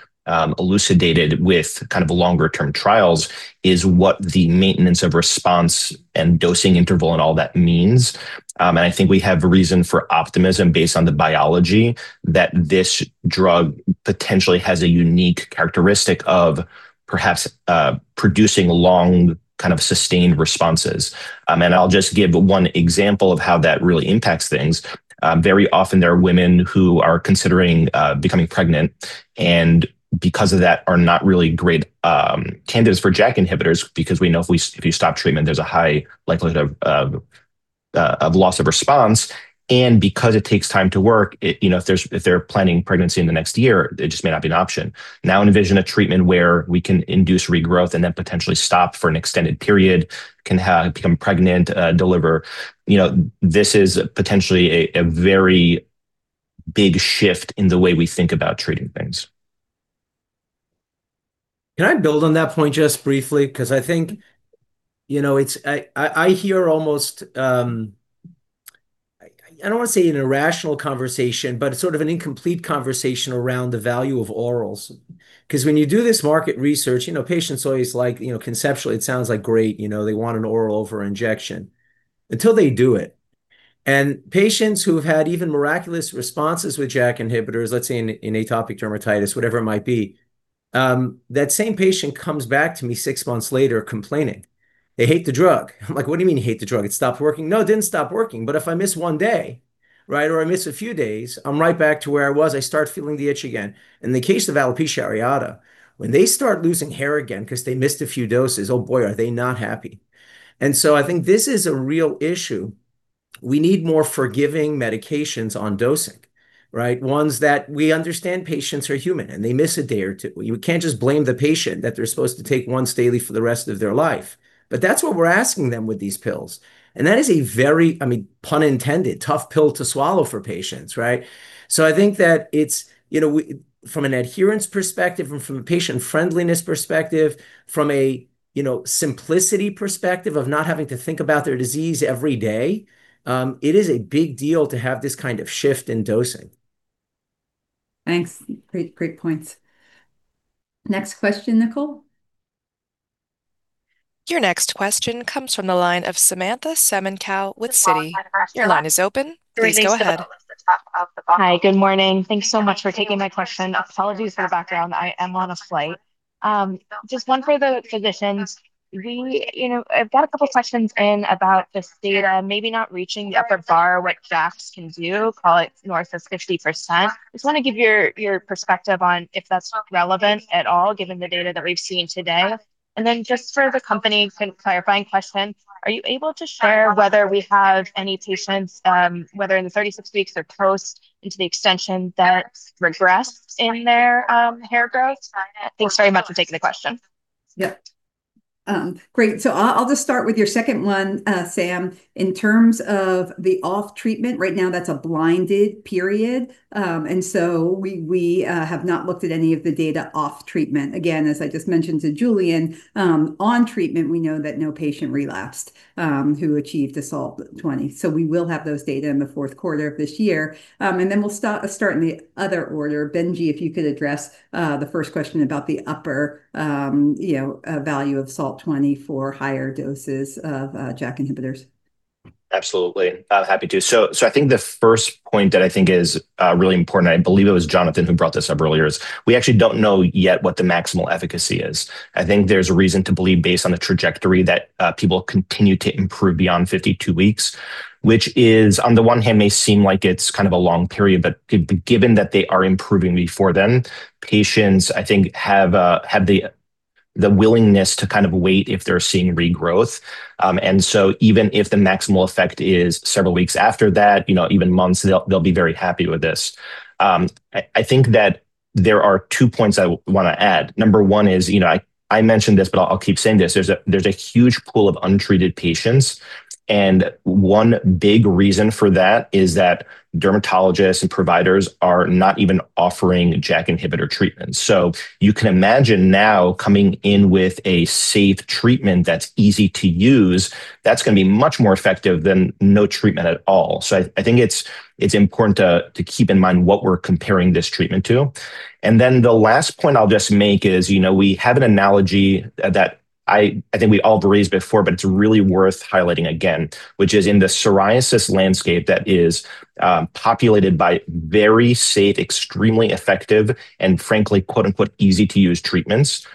elucidated with longer-term trials is what the maintenance of response and dosing interval and all that means. I think we have reason for optimism based on the biology, that this drug potentially has a unique characteristic of perhaps producing long, sustained responses. I'll just give one example of how that really impacts things. Very often, there are women who are considering becoming pregnant, and because of that, are not really great candidates for JAK inhibitors, because we know if you stop treatment, there's a high likelihood of loss of response. Because it takes time to work, if they're planning pregnancy in the next year, it just may not be an option. Now, envision a treatment where we can induce regrowth and then potentially stop for an extended period, can become pregnant, deliver. This is potentially a very big shift in the way we think about treating things. Can I build on that point just briefly? Because I think I hear almost, I don't want to say an irrational conversation, but sort of an incomplete conversation around the value of orals. Because when you do this market research, patients always like, conceptually, it sounds great, they want an oral over injection, until they do it. Patients who have had even miraculous responses with JAK inhibitors, let's say in atopic dermatitis, whatever it might be, that same patient comes back to me six months later complaining. They hate the drug. I'm like, "What do you mean you hate the drug? It stopped working?" "No, it didn't stop working, but if I miss one day, or I miss a few days, I'm right back to where I was. I start feeling the itch again." In the case of alopecia areata, when they start losing hair again because they missed a few doses, oh boy, are they not happy. I think this is a real issue. We need more forgiving medications on dosing. Ones that we understand patients are human, and they miss a day or two. You can't just blame the patient that they're supposed to take once daily for the rest of their life. That's what we're asking them with these pills. That is a very, pun intended, tough pill to swallow for patients. I think that from an adherence perspective, and from a patient friendliness perspective, from a simplicity perspective of not having to think about their disease every day, it is a big deal to have this kind of shift in dosing. Thanks. Great points. Next question, Nicole. Your next question comes from the line of Samantha Semenkow with Citi. Your line is open. Please go ahead. Hi. Good morning. Thanks so much for taking my question. Apologies for the background. I am on a flight. Just one for the physicians. I've got a couple questions in about this data maybe not reaching the upper bar, what JAKs can do, call it north of 50%. Just want to give your perspective on if that's relevant at all given the data that we've seen today. Just for the company, a clarifying question. Are you able to share whether we have any patients, whether in the 36 weeks or post into the extension, that regressed in their hair growth? Thanks very much for taking the question. Yep. Great. I'll just start with your second one, Sam. In terms of the off-treatment, right now, that's a blinded period. We have not looked at any of the data off treatment. Again, as I just mentioned to Julian, on treatment, we know that no patient relapsed who achieved a SALT 20. We will have those data in the fourth quarter of this year. Then we'll start in the other order. Benji, if you could address the first question about the upper value of SALT 20 for higher doses of JAK inhibitors. Absolutely. Happy to. I think the first point that I think is really important, I believe it was Jonathan who brought this up earlier, is we actually don't know yet what the maximal efficacy is. I think there's a reason to believe, based on the trajectory, that people continue to improve beyond 52 weeks, which on the one hand, may seem like it's a long period, but given that they are improving before then, patients, I think, have the willingness to wait if they're seeing regrowth. Even if the maximal effect is several weeks after that, even months, they'll be very happy with this. I think that there are two points I want to add. Number one is, I mentioned this, but I'll keep saying this. There's a huge pool of untreated patients, and one big reason for that is that dermatologists and providers are not even offering JAK inhibitor treatments. You can imagine now coming in with a safe treatment that's easy to use, that's going to be much more effective than no treatment at all. I think it's important to keep in mind what we're comparing this treatment to. Then the last point I'll just make is, we have an analogy that I think we all raised before, but it's really worth highlighting again. Which is in the psoriasis landscape that is populated by very safe, extremely effective, and frankly, quote unquote, "easy to use" treatments.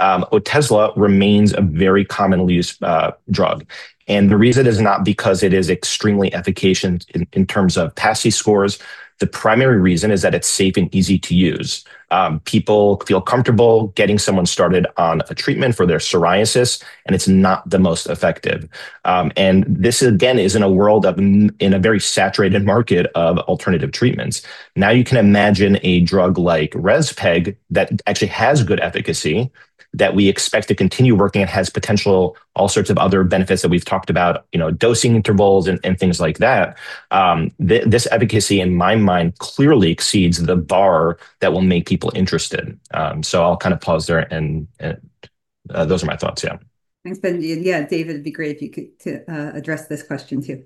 Otezla remains a very commonly used drug. The reason is not because it is extremely efficacious in terms of PASI scores. The primary reason is that it's safe and easy to use. People feel comfortable getting someone started on a treatment for their psoriasis, and it's not the most effective. This, again, is in a very saturated market of alternative treatments. Now, you can imagine a drug like rezpeg that actually has good efficacy, that we expect to continue working. It has potential, all sorts of other benefits that we've talked about, dosing intervals, and things like that. This efficacy, in my mind, clearly exceeds the bar that will make people interested. I'll pause there and Those are my thoughts. Yeah. Thanks, Benji. Yeah, David, it'd be great if you could address this question too.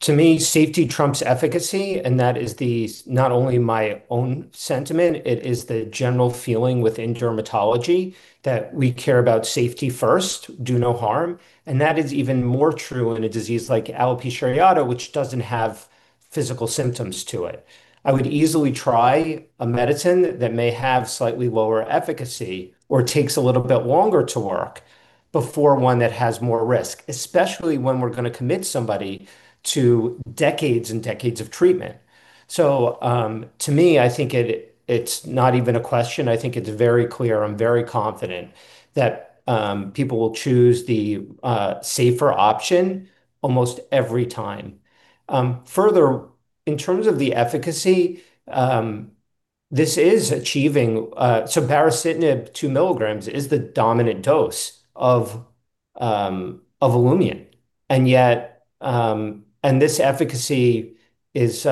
To me, safety trumps efficacy, and that is not only my own sentiment, it is the general feeling within dermatology that we care about safety first, do no harm. That is even more true in a disease like alopecia areata, which doesn't have physical symptoms to it. I would easily try a medicine that may have slightly lower efficacy or takes a little bit longer to work before one that has more risk, especially when we're going to commit somebody to decades and decades of treatment. To me, I think it's not even a question. I think it's very clear. I'm very confident that people will choose the safer option almost every time. Further, in terms of the efficacy, so baricitinib 2 mg is the dominant dose of Olumiant. This efficacy is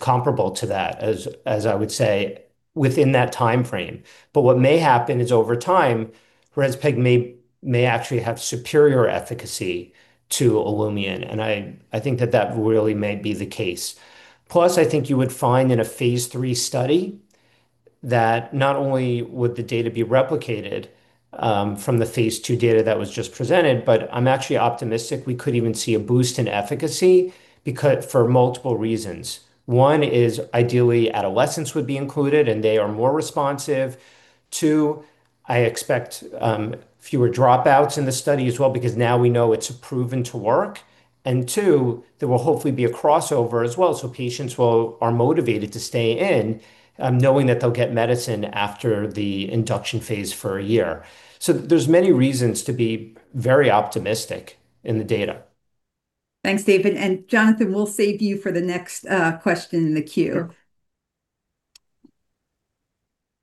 comparable to that, as I would say, within that timeframe. What may happen is, over time, rezpegaldesleukin may actually have superior efficacy to Olumiant, and I think that that really may be the case. Plus, I think you would find in a phase III study that not only would the data be replicated from the phase II data that was just presented, but I'm actually optimistic we could even see a boost in efficacy for multiple reasons. One is, ideally, adolescents would be included, and they are more responsive. Two, I expect fewer dropouts in the study as well because now we know it's proven to work. And two, there will hopefully be a crossover as well, so patients are motivated to stay in, knowing that they'll get medicine after the induction phase for a year. There's many reasons to be very optimistic in the data. Thanks, David. Jonathan, we'll save you for the next question in the queue. Sure.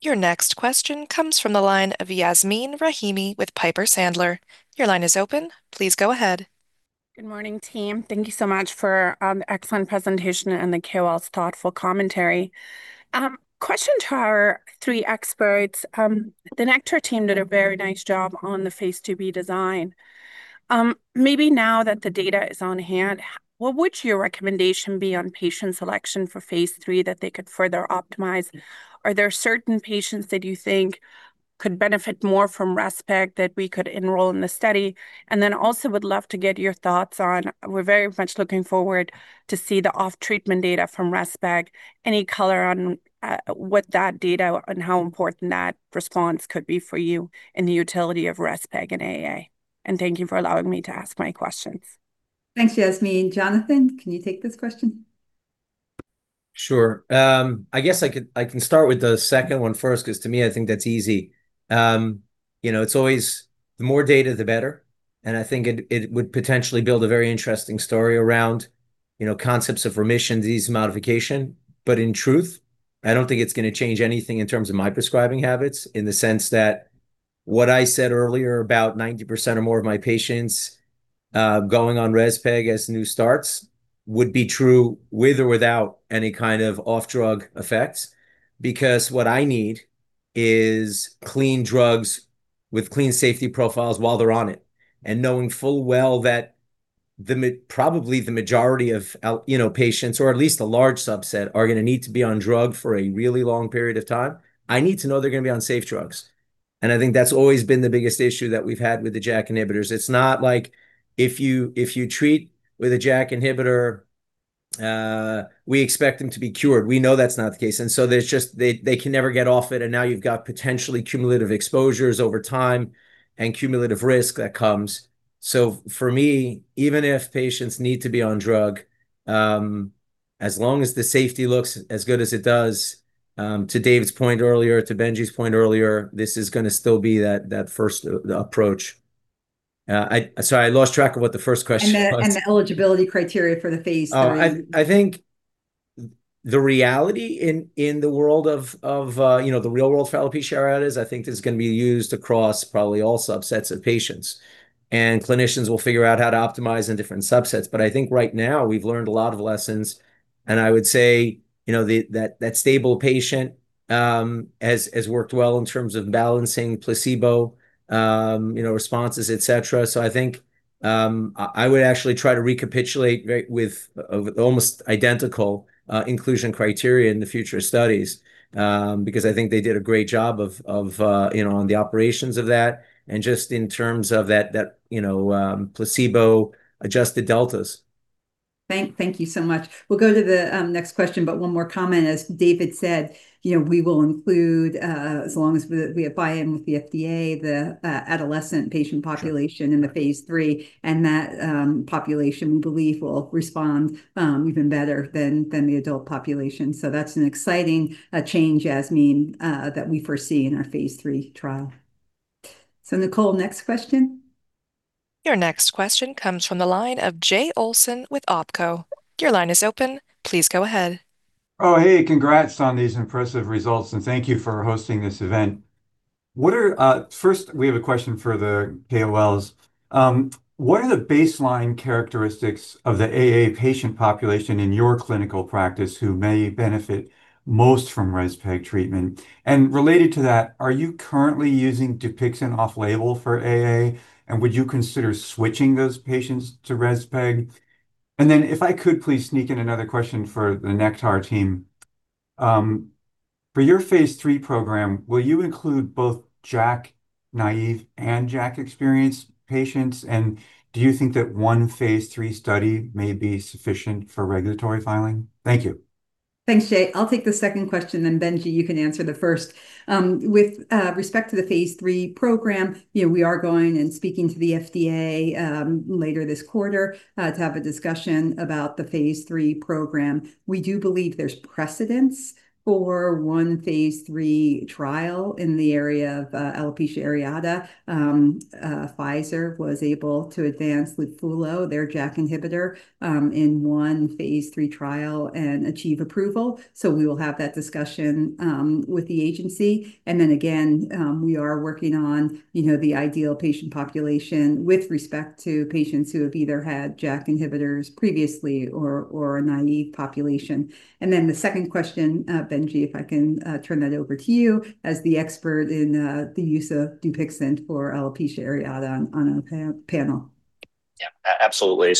Your next question comes from the line of Yasmeen Rahimi with Piper Sandler. Your line is open. Please go ahead. Good morning, team. Thank you so much for the excellent presentation and the KOL's thoughtful commentary. Question to our three experts. The Nektar team did a very nice job on the phase II-B design. Maybe now that the data is on hand, what would your recommendation be on patient selection for phase III that they could further optimize? Are there certain patients that you think could benefit more from rezpeg that we could enroll in the study? And then also would love to get your thoughts on, we're very much looking forward to see the off-treatment data from rezpeg. Any color on what that data and how important that response could be for you in the utility of rezpeg in AA? And thank you for allowing me to ask my questions. Thanks, Yasmeen. Jonathan, can you take this question? Sure. I guess I can start with the second one first, because to me, I think that's easy. It's always the more data, the better, and I think it would potentially build a very interesting story around concepts of remission, disease modification. In truth, I don't think it's going to change anything in terms of my prescribing habits, in the sense that what I said earlier about 90% or more of my patients going on rezpeg as new starts would be true with or without any kind of off-drug effects. Because what I need is clean drugs with clean safety profiles while they're on it. Knowing full well that probably the majority of patients, or at least a large subset, are going to need to be on drug for a really long period of time. I need to know they're going to be on safe drugs. I think that's always been the biggest issue that we've had with the JAK inhibitors. It's not like if you treat with a JAK inhibitor, we expect them to be cured. We know that's not the case. They can never get off it, and now you've got potentially cumulative exposures over time and cumulative risk that comes. For me, even if patients need to be on drug, as long as the safety looks as good as it does, to David's point earlier, to Benji's point earlier, this is going to still be that first approach. Sorry, I lost track of what the first question was. The eligibility criteria for the phase III. Oh, I think the reality in the world of the real world for alopecia areata is, I think this is going to be used across probably all subsets of patients. Clinicians will figure out how to optimize in different subsets. I think right now, we've learned a lot of lessons, and I would say that stable patient has worked well in terms of balancing placebo responses, et cetera. I think I would actually try to recapitulate with almost identical inclusion criteria in the future studies. I think they did a great job on the operations of that and just in terms of that placebo-adjusted deltas. Thank you so much. We'll go to the next question, but one more comment. As David said, we will include, as long as we have buy-in with the FDA, the adolescent patient population. In the phase III, and that population, we believe, will respond even better than the adult population. That's an exciting change, Yasmeen, that we foresee in our phase III trial. Nicole, next question. Your next question comes from the line of Jay Olson with OpCo. Your line is open. Please go ahead. Oh, hey. Congrats on these impressive results, and thank you for hosting this event. First, we have a question for the KOLs. What are the baseline characteristics of the AA patient population in your clinical practice who may benefit most from rezpeg treatment? Related to that, are you currently using Dupixent off-label for AA, and would you consider switching those patients to rezpeg? If I could please sneak in another question for the Nektar team. For your phase III program, will you include both JAK-naïve and JAK-experienced patients? Do you think that one phase III study may be sufficient for regulatory filing? Thank you. Thanks, Jay. I'll take the second question, then Benji, you can answer the first. With respect to the phase III program, we are going to speak to the FDA later this quarter to have a discussion about the phase III program. We do believe there's precedent for one phase III trial in the area of alopecia areata. Pfizer was able to advance Litfulo, their JAK inhibitor, in one phase III trial and achieve approval. We will have that discussion with the agency. We are working on the ideal patient population with respect to patients who have either had JAK inhibitors previously or a naïve population. The second question, Benji, if I can turn that over to you, as the expert in the use of Dupixent for alopecia areata on a panel. Yeah, absolutely.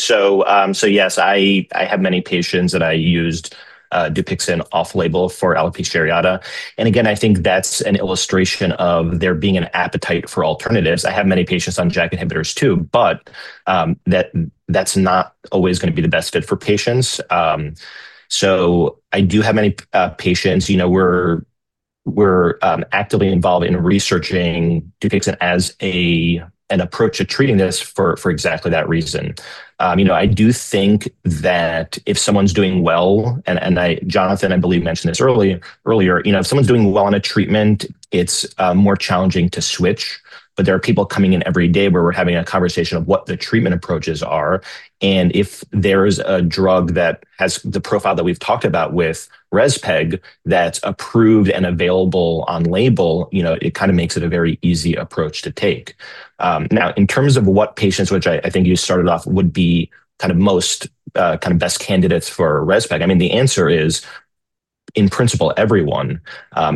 Yes, I have many patients that I used Dupixent off-label for alopecia areata. Again, I think that's an illustration of there being an appetite for alternatives. I have many patients on JAK inhibitors too, but that's not always going to be the best fit for patients. I do have many patients. We're actively involved in researching Dupixent as an approach to treating this for exactly that reason. I do think that if someone's doing well, and Jonathan, I believe, mentioned this earlier, if someone's doing well on a treatment, it's more challenging to switch. There are people coming in every day where we're having a conversation of what the treatment approaches are, and if there's a drug that has the profile that we've talked about with rezpeg that's approved and available on label, it kind of makes it a very easy approach to take. Now, in terms of what patients, which I think you started off, would be most, kind of best candidates for rezpeg. The answer is, in principle, everyone.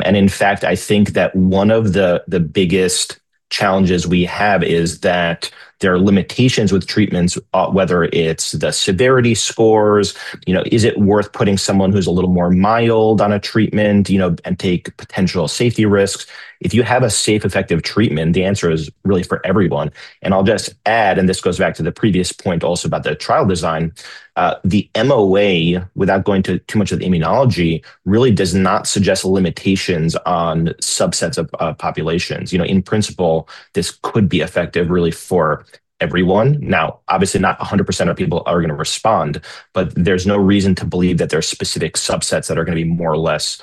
In fact, I think that one of the biggest challenges we have is that there are limitations with treatments, whether it's the severity scores. Is it worth putting someone who's a little more mild on a treatment, and take potential safety risks? If you have a safe, effective treatment, the answer is really for everyone. I'll just add, and this goes back to the previous point also about the trial design. The MOA, without going too much of the immunology, really does not suggest limitations on subsets of populations. In principle, this could be effective, really for everyone. Now, obviously, not 100% of people are going to respond, but there's no reason to believe that there are specific subsets that are going to be more or less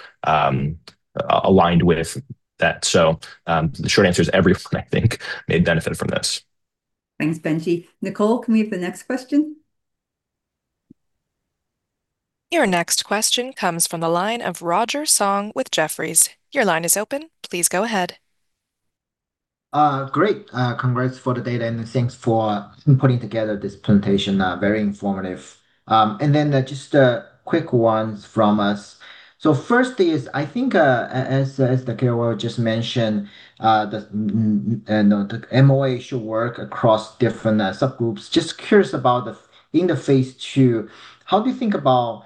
aligned with that. The short answer is everyone, I think, may benefit from this. Thanks, Benji. Nicole, can we have the next question? Your next question comes from the line of Roger Song with Jefferies. Your line is open. Please go ahead. Great. Congrats for the data, and thanks for putting together this presentation. Very informative. Then just quick ones from us. Firstly is, I think, as the KOL just mentioned, the MOA should work across different subgroups. Just curious about in the phase II, how do you think about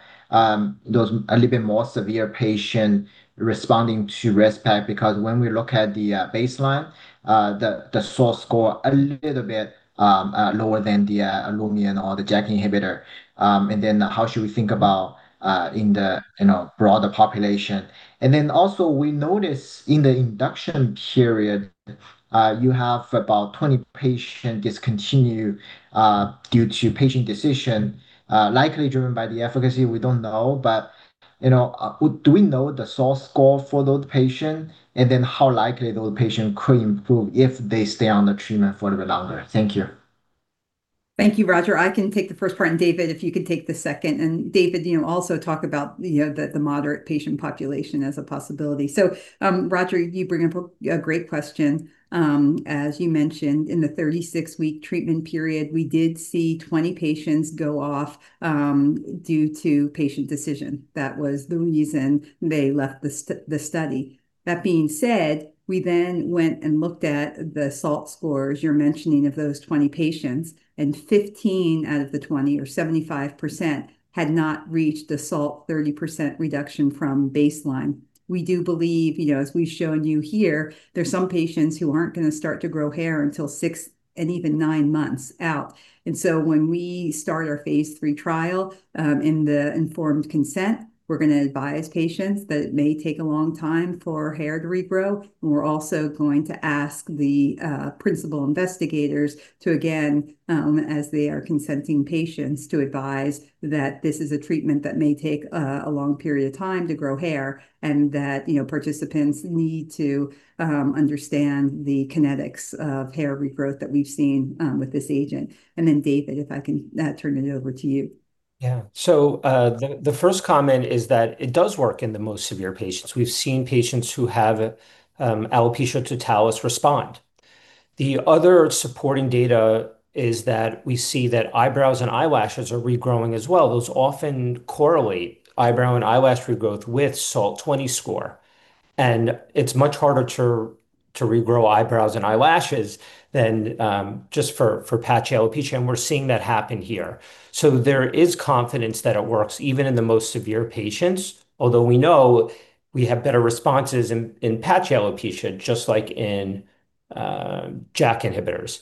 those a little bit more severe patients responding to rezpeg? Because when we look at the baseline, the SALT score a little bit lower than the Olumiant or the JAK inhibitor. How should we think about in the broader population? Also, we notice in the induction period, you have about 20 patients discontinue, due to patient decision, likely driven by the efficacy, we don't know. Do we know the SALT score for those patients? How likely those patients could improve if they stay on the treatment for a bit longer? Thank you. Thank you, Roger. I can take the first part, and David, if you could take the second, and David, also talk about the moderate patient population as a possibility. Roger, you bring up a great question. As you mentioned, in the 36-week treatment period, we did see 20 patients go off due to patient decision. That was the reason they left the study. That being said, we then went and looked at the SALT scores you're mentioning of those 20 patients, and 15 out of the 20% or 75% had not reached the SALT 30% reduction from baseline. We do believe, as we've shown you here, there's some patients who aren't going to start to grow hair until six and even nine months out. When we start our phase III trial, in the informed consent, we're going to advise patients that it may take a long time for hair to regrow. We're also going to ask the principal investigators to, again, as they are consenting patients, to advise that this is a treatment that may take a long period of time to grow hair and that participants need to understand the kinetics of hair regrowth that we've seen with this agent. David, if I can turn it over to you. Yeah. The first comment is that it does work in the most severe patients. We've seen patients who have alopecia totalis respond. The other supporting data is that we see that eyebrows and eyelashes are regrowing as well. Those often correlate, eyebrow and eyelash regrowth, with SALT 20 score. It's much harder to regrow eyebrows and eyelashes than just for patch alopecia, and we're seeing that happen here. There is confidence that it works even in the most severe patients, although we know we have better responses in patch alopecia, just like in JAK inhibitors.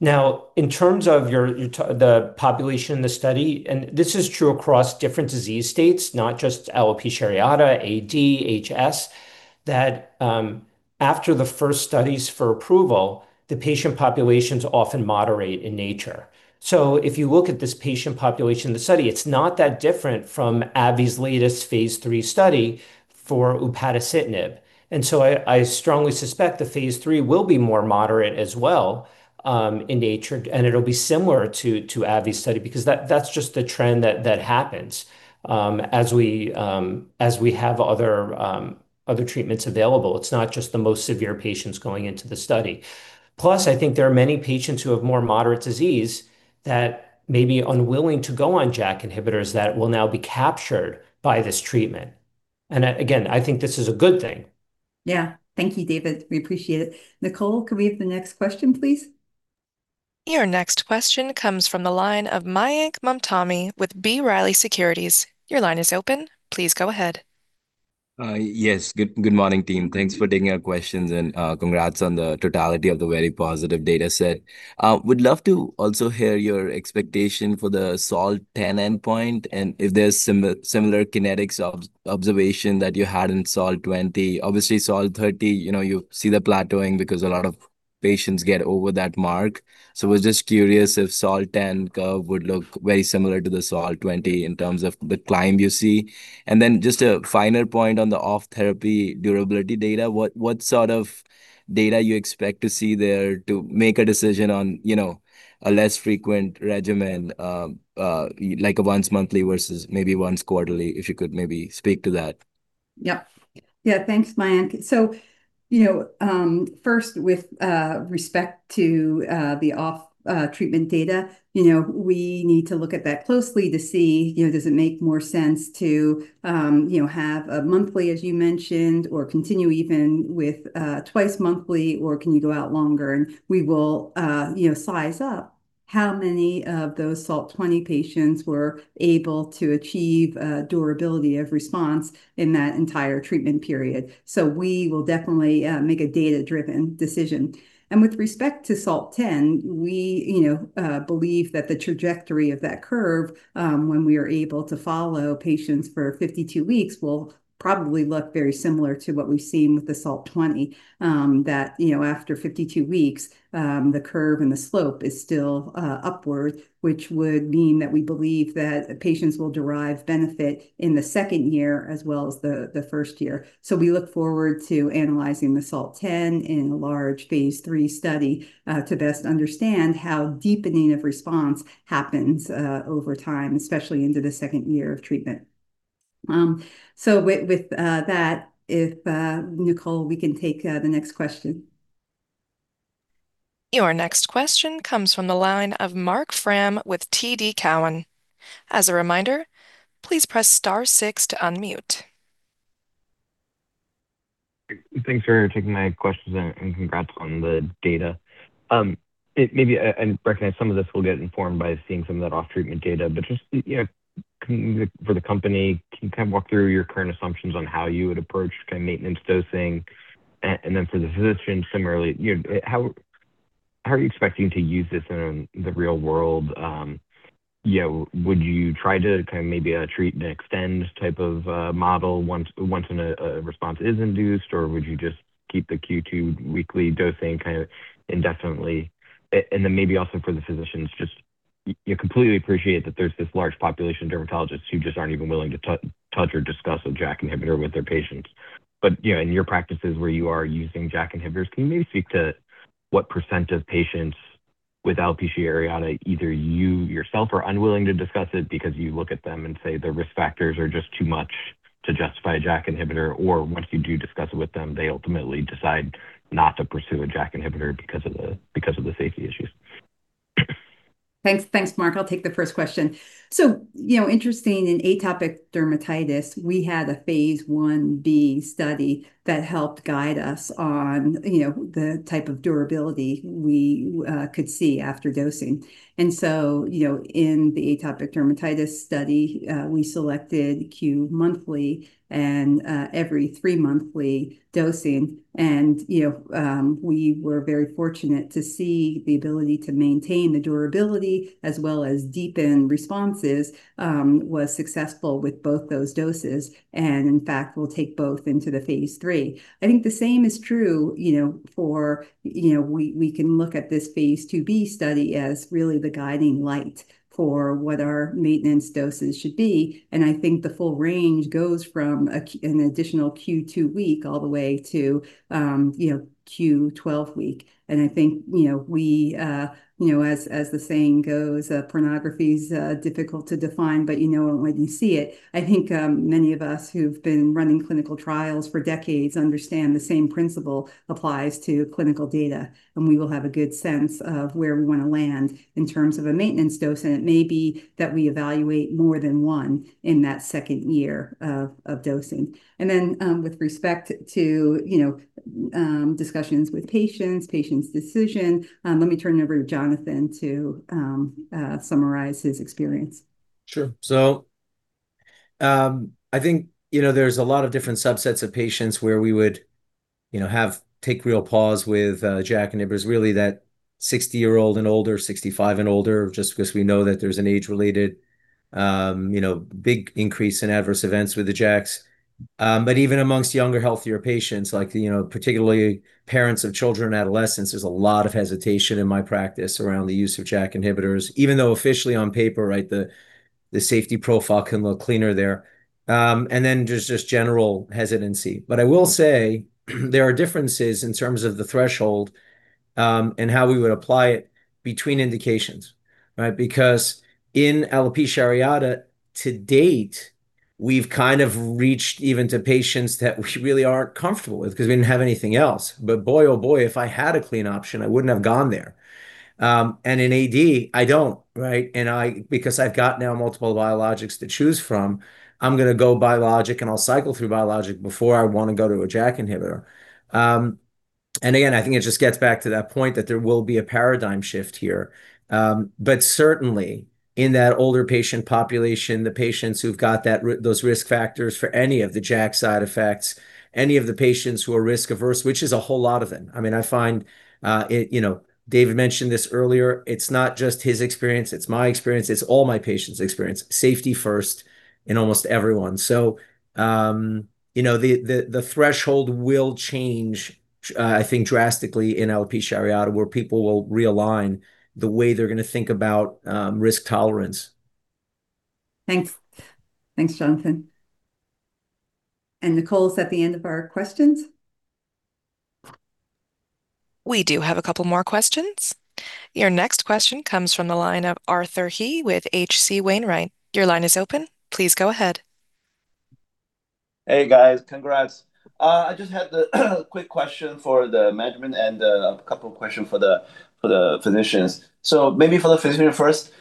Now, in terms of the population in the study, and this is true across different disease states, not just alopecia areata, AD, HS, that after the first studies for approval, the patient populations often moderate in nature. If you look at this patient population in the study, it's not that different from AbbVie's latest phase III study for upadacitinib. I strongly suspect the phase III will be more moderate as well in nature, and it'll be similar to AbbVie's study because that's just the trend that happens. As we have other treatments available, it's not just the most severe patients going into the study. Plus, I think there are many patients who have more moderate disease that may be unwilling to go on JAK inhibitors that will now be captured by this treatment. Again, I think this is a good thing. Yeah. Thank you, David. We appreciate it. Nicole, could we have the next question, please? Your next question comes from the line of Mayank Mamtani with B. Riley Securities. Your line is open. Please go ahead. Yes. Good morning, team. Thanks for taking our questions, and congrats on the totality of the very positive data set. I would love to also hear your expectation for the SALT 10 endpoint and if there's similar kinetics observation that you had in SALT 20. Obviously, SALT 30, you see the plateauing because a lot of patients get over that mark. I was just curious if SALT 10 curve would look very similar to the SALT 20 in terms of the climb you see. Just a final point on the off-therapy durability data. What sort of data do you expect to see there to make a decision on, a less frequent regimen, like a once monthly versus maybe once quarterly, if you could maybe speak to that. Yep. Yeah. Thanks, Mayank. First, with respect to the off-treatment data, we need to look at that closely to see, does it make more sense to, have a monthly, as you mentioned, or continue even with twice monthly, or can you go out longer? We will size up how many of those SALT 20 patients were able to achieve durability of response in that entire treatment period. We will definitely make a data-driven decision. With respect to SALT 10, we believe that the trajectory of that curve, when we are able to follow patients for 52 weeks, will probably look very similar to what we've seen with the SALT 20. After 52 weeks, the curve and the slope is still upward, which would mean that we believe that patients will derive benefit in the second year as well as the first year. We look forward to analyzing the SALT 10 in a large phase III study to best understand how deepening of response happens over time, especially into the second year of treatment. With that, if, Nicole, we can take the next question. Your next question comes from the line of Marc Frahm with TD Cowen. As a reminder, please press star six to unmute. Thanks for taking my questions and congrats on the data. I recognize some of this will get informed by seeing some of that off-treatment data, but just, for the company, can you walk through your current assumptions on how you would approach maintenance dosing? For the physician, similarly, how are you expecting to use this in the real world? Would you try to maybe a treat and extend type of model once a response is induced, or would you just keep the Q2 weekly dosing indefinitely? Maybe also for the physicians, just, I completely appreciate that there's this large population of dermatologists who just aren't even willing to touch or discuss a JAK inhibitor with their patients. In your practices where you are using JAK inhibitors, can you maybe speak to what percent of patients with alopecia areata, either you yourself are unwilling to discuss it because you look at them and say the risk factors are just too much to justify a JAK inhibitor. Or once you do discuss it with them, they ultimately decide not to pursue a JAK inhibitor because of the safety issues? Thanks, Marc. I'll take the first question. Interesting, in atopic dermatitis, we had a phase I-B study that helped guide us on the type of durability we could see after dosing. In the atopic dermatitis study, we selected Q monthly and every three-monthly dosing. We were very fortunate to see the ability to maintain the durability as well as deepen responses, was successful with both those doses. In fact, we'll take both into the phase III. I think the same is true, we can look at this phase II-B study as really the guiding light for what our maintenance doses should be. I think the full range goes from an additional Q2-week all the way to Q12-week. I think, as the saying goes, pornography's difficult to define, but you know it when you see it. I think many of us who've been running clinical trials for decades understand the same principle applies to clinical data, and we will have a good sense of where we want to land in terms of a maintenance dose. It may be that we evaluate more than one in that second year of dosing. With respect to discussions with patients, patient's decision, let me turn it over to Jonathan to summarize his experience. Sure. I think there's a lot of different subsets of patients where we would take real pause with JAK inhibitors, really that 60-year-old and older, 65 and older, just because we know that there's an age-related big increase in adverse events with the JAKs. Even among younger, healthier patients, particularly parents of children, adolescents, there's a lot of hesitation in my practice around the use of JAK inhibitors, even though officially on paper, the safety profile can look cleaner there. There's just general hesitancy. I will say there are differences in terms of the threshold, and how we would apply it between indications. Because in alopecia areata, to date, we've kind of reached even to patients that we really aren't comfortable with because we didn't have anything else. Boy, oh boy, if I had a clean option, I wouldn't have gone there. In AD, I don't. Because I've got now multiple biologics to choose from, I'm going to go biologic, and I'll cycle through biologic before I want to go to a JAK inhibitor. Again, I think it just gets back to that point that there will be a paradigm shift here. Certainly, in that older patient population, the patients who've got those risk factors for any of the JAK side effects, any of the patients who are risk averse, which is a whole lot of them. I find, David mentioned this earlier, it's not just his experience, it's my experience, it's all my patients' experience. Safety first in almost everyone. The threshold will change, I think, drastically in alopecia areata, where people will realign the way they're going to think about risk tolerance. Thanks. Thanks, Jonathan. Nicole, is that the end of our questions? We do have a couple more questions. Your next question comes from the line of Arthur He with H.C. Wainwright. Your line is open. Please go ahead. Hey, guys. Congrats. I just had a quick question for the management and a couple of questions for the physicians. Maybe for the physician first.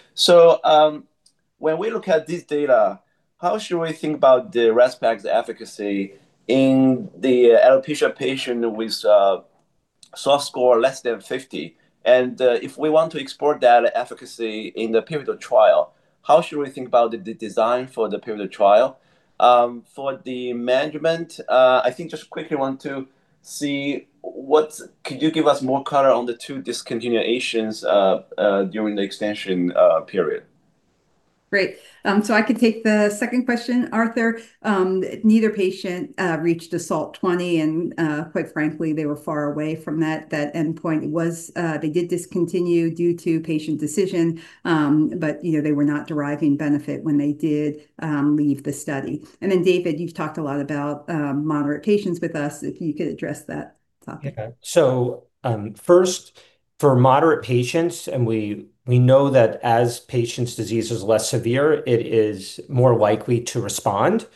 When we look at this data, how should we think about the rezpeg efficacy in the alopecia patient with a SALT score less than 50? And, if we want to explore that efficacy in the pivotal trial, how should we think about the design for the pivotal trial? For the management, I think just quickly want to see, could you give us more color on the two discontinuations during the extension period? Great. I can take the second question, Arthur. Neither patient reached a SALT 20, and quite frankly, they were far away from that. That endpoint was, they did discontinue due to patient decision. But they were not deriving benefit when they did leave the study. David, you've talked a lot about moderate patients with us, if you could address that topic. Okay. First, for moderate patients, we know that as patients' disease is less severe, it is more likely to respond.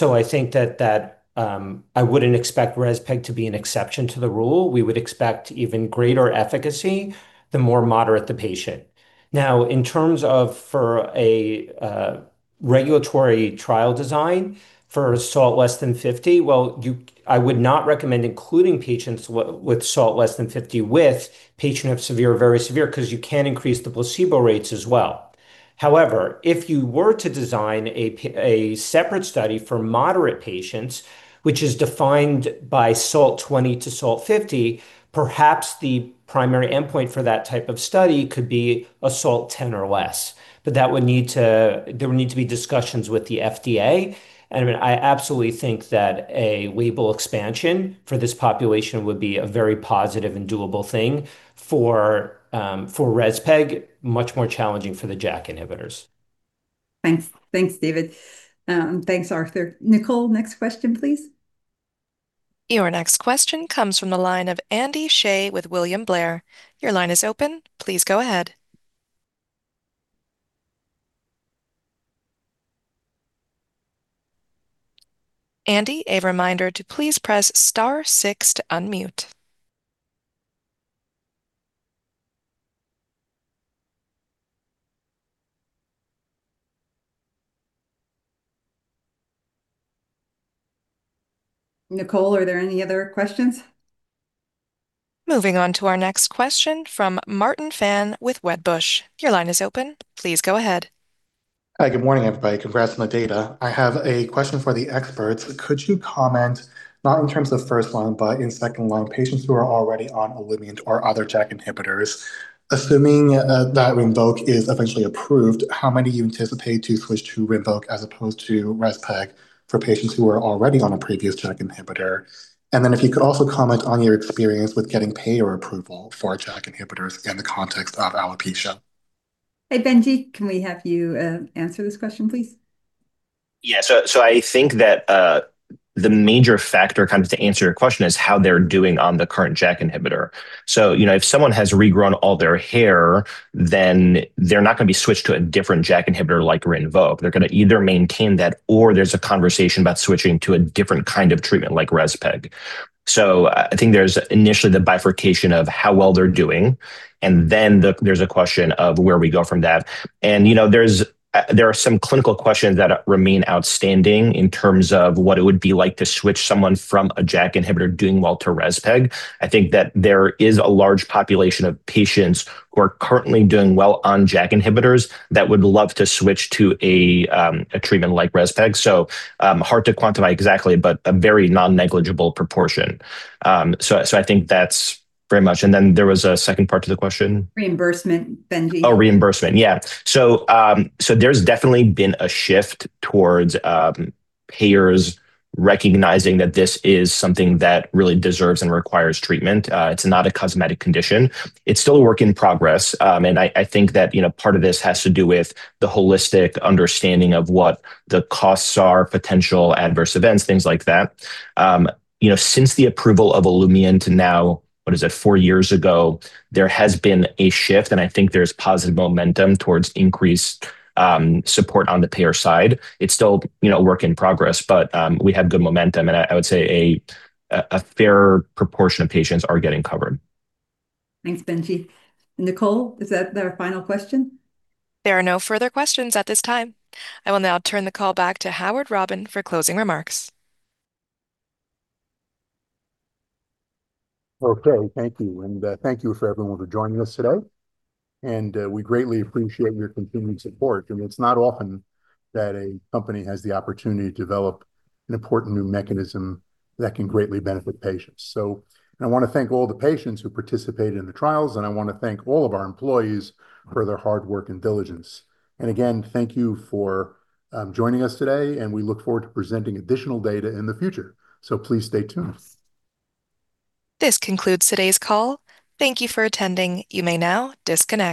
I think that I wouldn't expect rezpeg to be an exception to the rule. We would expect even greater efficacy the more moderate the patient. Now, in terms of for a regulatory trial design for a SALT <50, well, I would not recommend including patients with SALT <50 with patients of severe or very severe, because you can increase the placebo rates as well. However, if you were to design a separate study for moderate patients, which is defined by SALT 20 to SALT 50, perhaps the primary endpoint for that type of study could be a SALT 10 or less. There would need to be discussions with the FDA. I absolutely think that a label expansion for this population would be a very positive and doable thing for rezpeg. Much more challenging for the JAK inhibitors. Thanks. Thanks, David. Thanks, Arthur. Nicole, next question, please. Your next question comes from the line of Andy Hsieh with William Blair. Your line is open. Please go ahead. Andy, a reminder to please press star six to unmute. Nicole, are there any other questions? Moving on to our next question from Martin Fan with Wedbush. Your line is open. Please go ahead. Hi, good morning, everybody. Congrats on the data. I have a question for the experts. Could you comment, not in terms of first line, but in second line, patients who are already on Olumiant or other JAK inhibitors. Assuming that Rinvoq is eventually approved, how many you anticipate to switch to Rinvoq as opposed to rezpegalfor patients who are already on a previous JAK inhibitor? And then if you could also comment on your experience with getting payer approval for JAK inhibitors in the context of alopecia. Hey, Benji, can we have you answer this question, please? Yeah. I think that the major factor, to answer your question, is how they're doing on the current JAK inhibitor. If someone has regrown all their hair, then they're not going to be switched to a different JAK inhibitor like Rinvoq. They're going to either maintain that, or there's a conversation about switching to a different kind of treatment like rezpeg. I think there's initially the bifurcation of how well they're doing, and then there's a question of where we go from that. There are some clinical questions that remain outstanding in terms of what it would be like to switch someone from a JAK inhibitor doing well to rezpeg. I think that there is a large population of patients who are currently doing well on JAK inhibitors that would love to switch to a treatment like rezpeg. Hard to quantify exactly, but a very non-negligible proportion. I think that's very much. There was a second part to the question. Reimbursement, Benji. Oh, reimbursement. Yeah. There's definitely been a shift towards payers recognizing that this is something that really deserves and requires treatment. It's not a cosmetic condition. It's still a work in progress. I think that part of this has to do with the holistic understanding of what the costs are, potential adverse events, things like that. Since the approval of Olumiant to now, what is it, four years ago, there has been a shift, and I think there's positive momentum towards increased support on the payer side. It's still a work in progress, but we have good momentum, and I would say a fair proportion of patients are getting covered. Thanks, Benji. Nicole, is that our final question? There are no further questions at this time. I will now turn the call back to Howard Robin for closing remarks. Okay, thank you. Thank you for everyone for joining us today. We greatly appreciate your continued support. It's not often that a company has the opportunity to develop an important new mechanism that can greatly benefit patients. I want to thank all the patients who participated in the trials, and I want to thank all of our employees for their hard work and diligence. Again, thank you for joining us today, and we look forward to presenting additional data in the future. Please stay tuned. This concludes today's call. Thank you for attending. You may now disconnect.